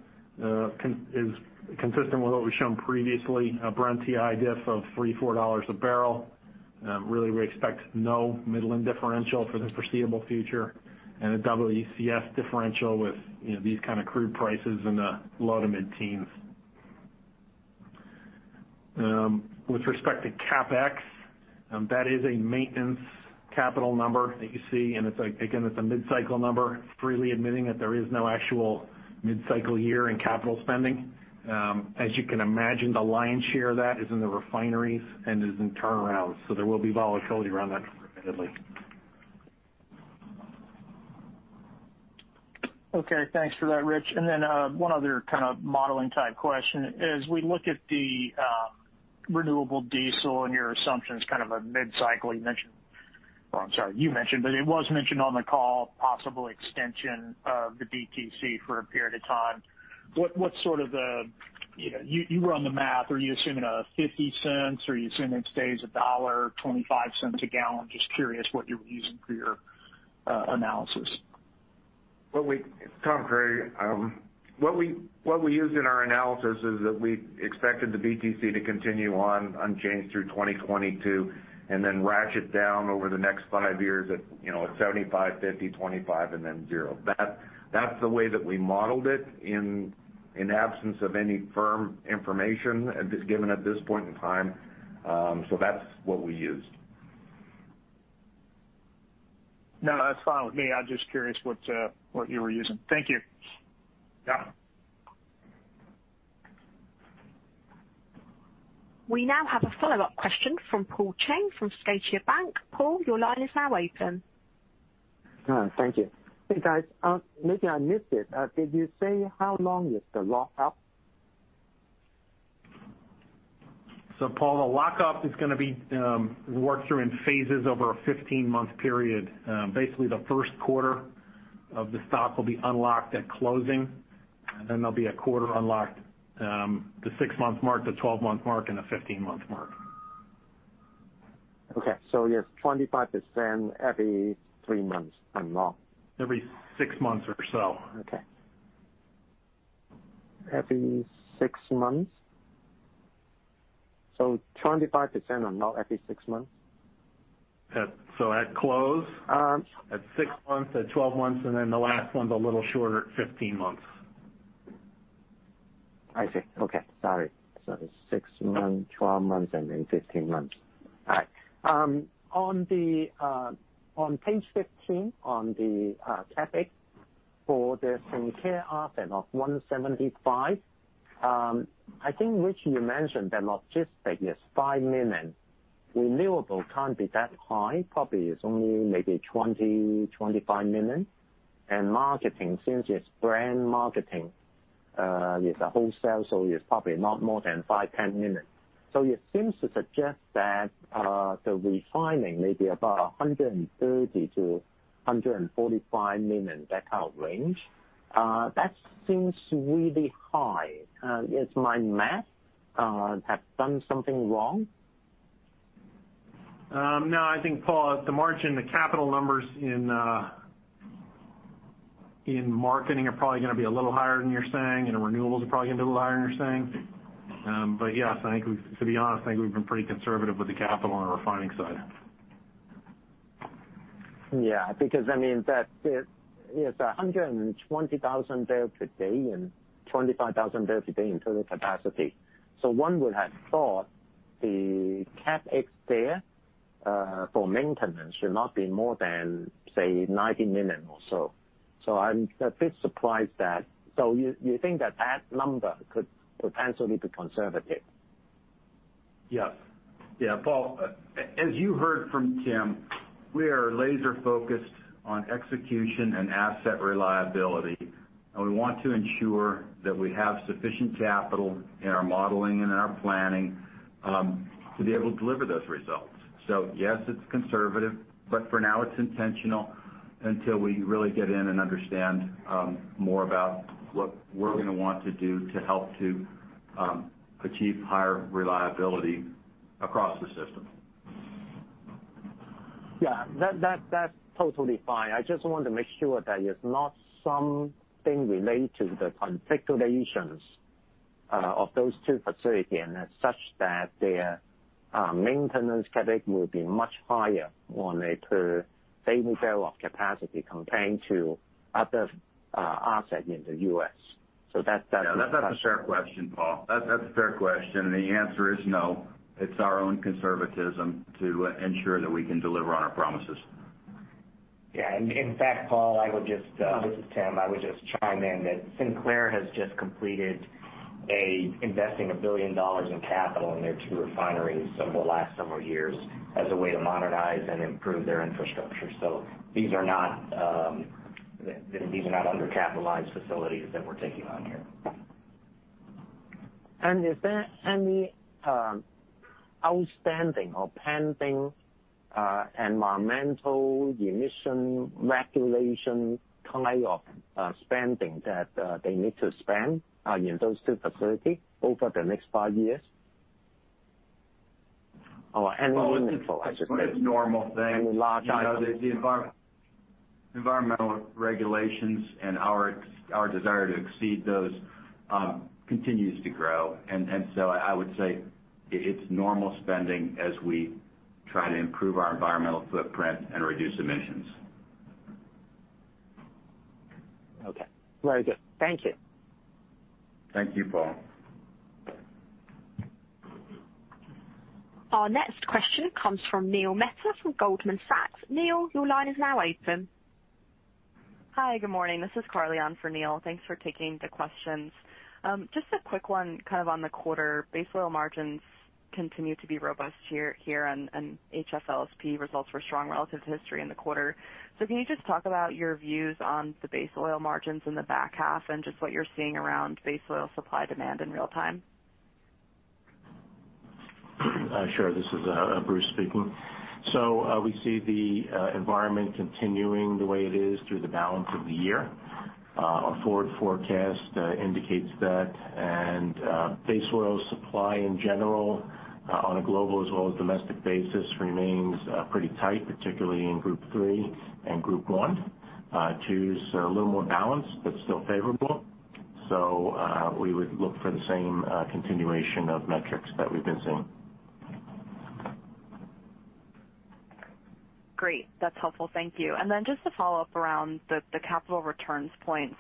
is consistent with what we've shown previously, a Brent TI diff of $3, $4 a barrel. We expect no Midland differential for the foreseeable future and a WCS differential with these kind of crude prices in the low to mid teens. With respect to CapEx, that is a maintenance capital number that you see, and again, it's a mid-cycle number, freely admitting that there is no actual mid-cycle year in capital spending. As you can imagine, the lion's share of that is in the refineries and is in turnarounds, there will be volatility around that number admittedly. Okay, thanks for that, Rich. One other kind of modeling type question. As we look at the renewable diesel and your assumptions kind of a mid-cycle, it was mentioned on the call, possible extension of the BTC for a period of time. You run the math. Are you assuming $0.50, or are you assuming it stays $1.25 a gallon? Just curious what you were using for your analysis. Tom Creery. What we used in our analysis is that we expected the BTC to continue on unchanged through 2022 and then ratchet down over the next five years at 75%, 50%, 25%, and then 0%. That's the way that we modeled it in absence of any firm information given at this point in time. That's what we used. No, that's fine with me. I was just curious what you were using, thank you. Yeah. We now have a follow-up question from Paul Cheng from Scotiabank. Paul, your line is now open. Thank you. Hey, guys, maybe I missed it. Did you say how long is the lockup? Paul, the lockup is going to be worked through in phases over a 15-month period. Basically, the first quarter of the stock will be unlocked at closing. There'll be a quarter unlocked, the six-month mark, the 12-month mark, and the 15-month mark. Okay, you have 25% every three months unlocked. Every six months or so. Okay, every six months? 25% unlocked every six months? At close, at six months, at 12 months, and then the last one's a little shorter, 15 months. I see, okay. Sorry. It's six months, 12 months, and then 15 months. All right. On page 15, on the CapEx for the Sinclair asset of $175 million, I think, Rich, you mentioned that logistics is $5 million. Renewable can't be that high, probably it's only maybe $20 million-$25 million. Marketing, since it's brand marketing, it's a wholesale, it's probably not more than $5 million-$10 million. It seems to suggest that the refining may be about $130 million-$145 million, that kind of range, that seems really high. Has my math have done something wrong? I think, Paul, the margin, the capital numbers in marketing are probably gonna be a little higher than you're saying, and renewables are probably gonna be a little higher than you're saying. Yes, to be honest, I think we've been pretty conservative with the capital on the refining side. Yeah, because that is 120,000 bpd and 25,000 bpd in total capacity. One would have thought the CapEx there for maintenance should not be more than, say, $90 million or so. I'm a bit surprised that So you think that that number could potentially be conservative? Yes, yeah, Paul, as you heard from Tim, we are laser-focused on execution and asset reliability. We want to ensure that we have sufficient capital in our modeling and in our planning, to be able to deliver those results. Yes, it's conservative, but for now it's intentional until we really get in and understand more about what we're gonna want to do to help to achieve higher reliability across the system. Yeah, that's totally fine. I just want to make sure that it's not something related to the configurations of those two facilities, and as such that their maintenance CapEx will be much higher on a per barrel of capacity compared to other assets in the U.S. Yeah, that's a fair question, Paul. That's a fair question, the answer is no. It's our own conservatism to ensure that we can deliver on our promises. Yeah, in fact, Paul, this is Tim. I would just chime in that Sinclair has just completed investing a billion dollars in capital in their two refineries over the last several years as a way to modernize and improve their infrastructure. These are not under-capitalized facilities that we're taking on here. Is there any outstanding or pending environmental emission regulation kind of spending that they need to spend in those two facilities over the next five years? Oh, it's a normal thing. Any large- The environmental regulations and our desire to exceed those, continues to grow. I would say it's normal spending as we try to improve our environmental footprint and reduce emissions. Okay, very good, thank you. Thank you, Paul. Our next question comes from Neil Mehta from Goldman Sachs. Neil, your line is now open. Hi, good morning. This is Carly on for Neil. Thanks for taking the questions. Just a quick one kind of on the quarter. Base oil margins continue to be robust here, and HSLSP results were strong relative to history in the quarter. Can you just talk about your views on the base oil margins in the back half and just what you're seeing around base oil supply-demand in real time? Sure, this is Bruce speaking. We see the environment continuing the way it is through the balance of the year. Our forward forecast indicates that. base oil supply in general, on a global as well as domestic basis, remains pretty tight, particularly in Group III and Group I. II's a little more balanced, but still favorable. We would look for the same continuation of metrics that we've been seeing. Great, that's helpful, thank you. Then just to follow up around the capital returns point.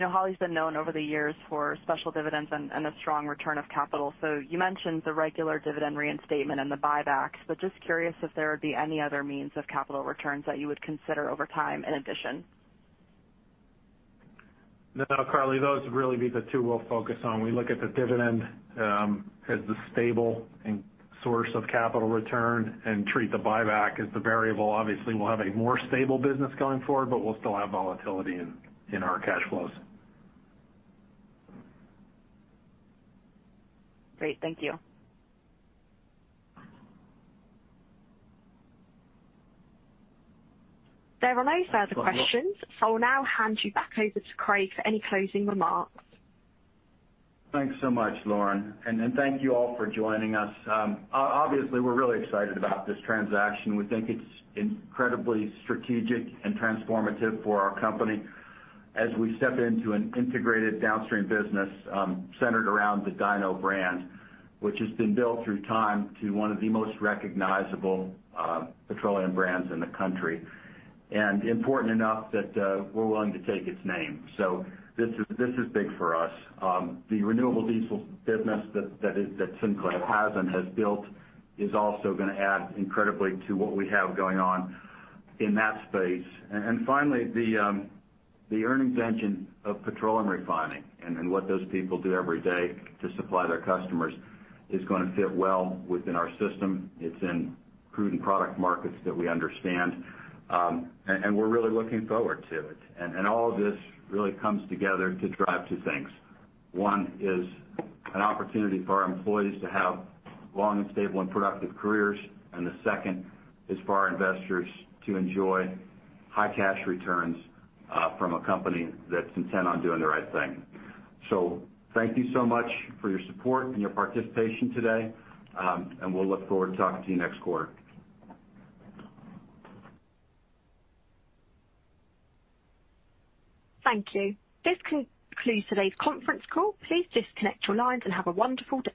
Holly's been known over the years for special dividends and a strong return of capital. You mentioned the regular dividend reinstatement and the buyback, but just curious if there would be any other means of capital returns that you would consider over time in addition? No, Carly, those would really be the two we'll focus on. We look at the dividend as the stable source of capital return and treat the buyback as the variable. Obviously, we'll have a more stable business going forward, but we'll still have volatility in our cash flows. Great, thank you. There are no further questions. I'll now hand you back over to Craig for any closing remarks. Thanks so much, Lauren. Thank you all for joining us. Obviously, we're really excited about this transaction. We think it's incredibly strategic and transformative for our company as we step into an integrated downstream business centered around the Dino brand, which has been built through time to one of the most recognizable petroleum brands in the country, important enough that we're willing to take its name, this is big for us. The renewable diesel business that Sinclair has and has built is also gonna add incredibly to what we have going on in that space. Finally, the earnings engine of petroleum refining and what those people do every day to supply their customers is gonna fit well within our system. It's in crude and product markets that we understand. We're really looking forward to it. All of this really comes together to drive two things. One is an opportunity for our employees to have long and stable and productive careers. The second is for our investors to enjoy high cash returns from a company that's intent on doing the right thing. Thank you so much for your support and your participation today, and we'll look forward to talking to you next quarter. Thank you, this concludes today's conference call. Please disconnect your lines and have a wonderful day.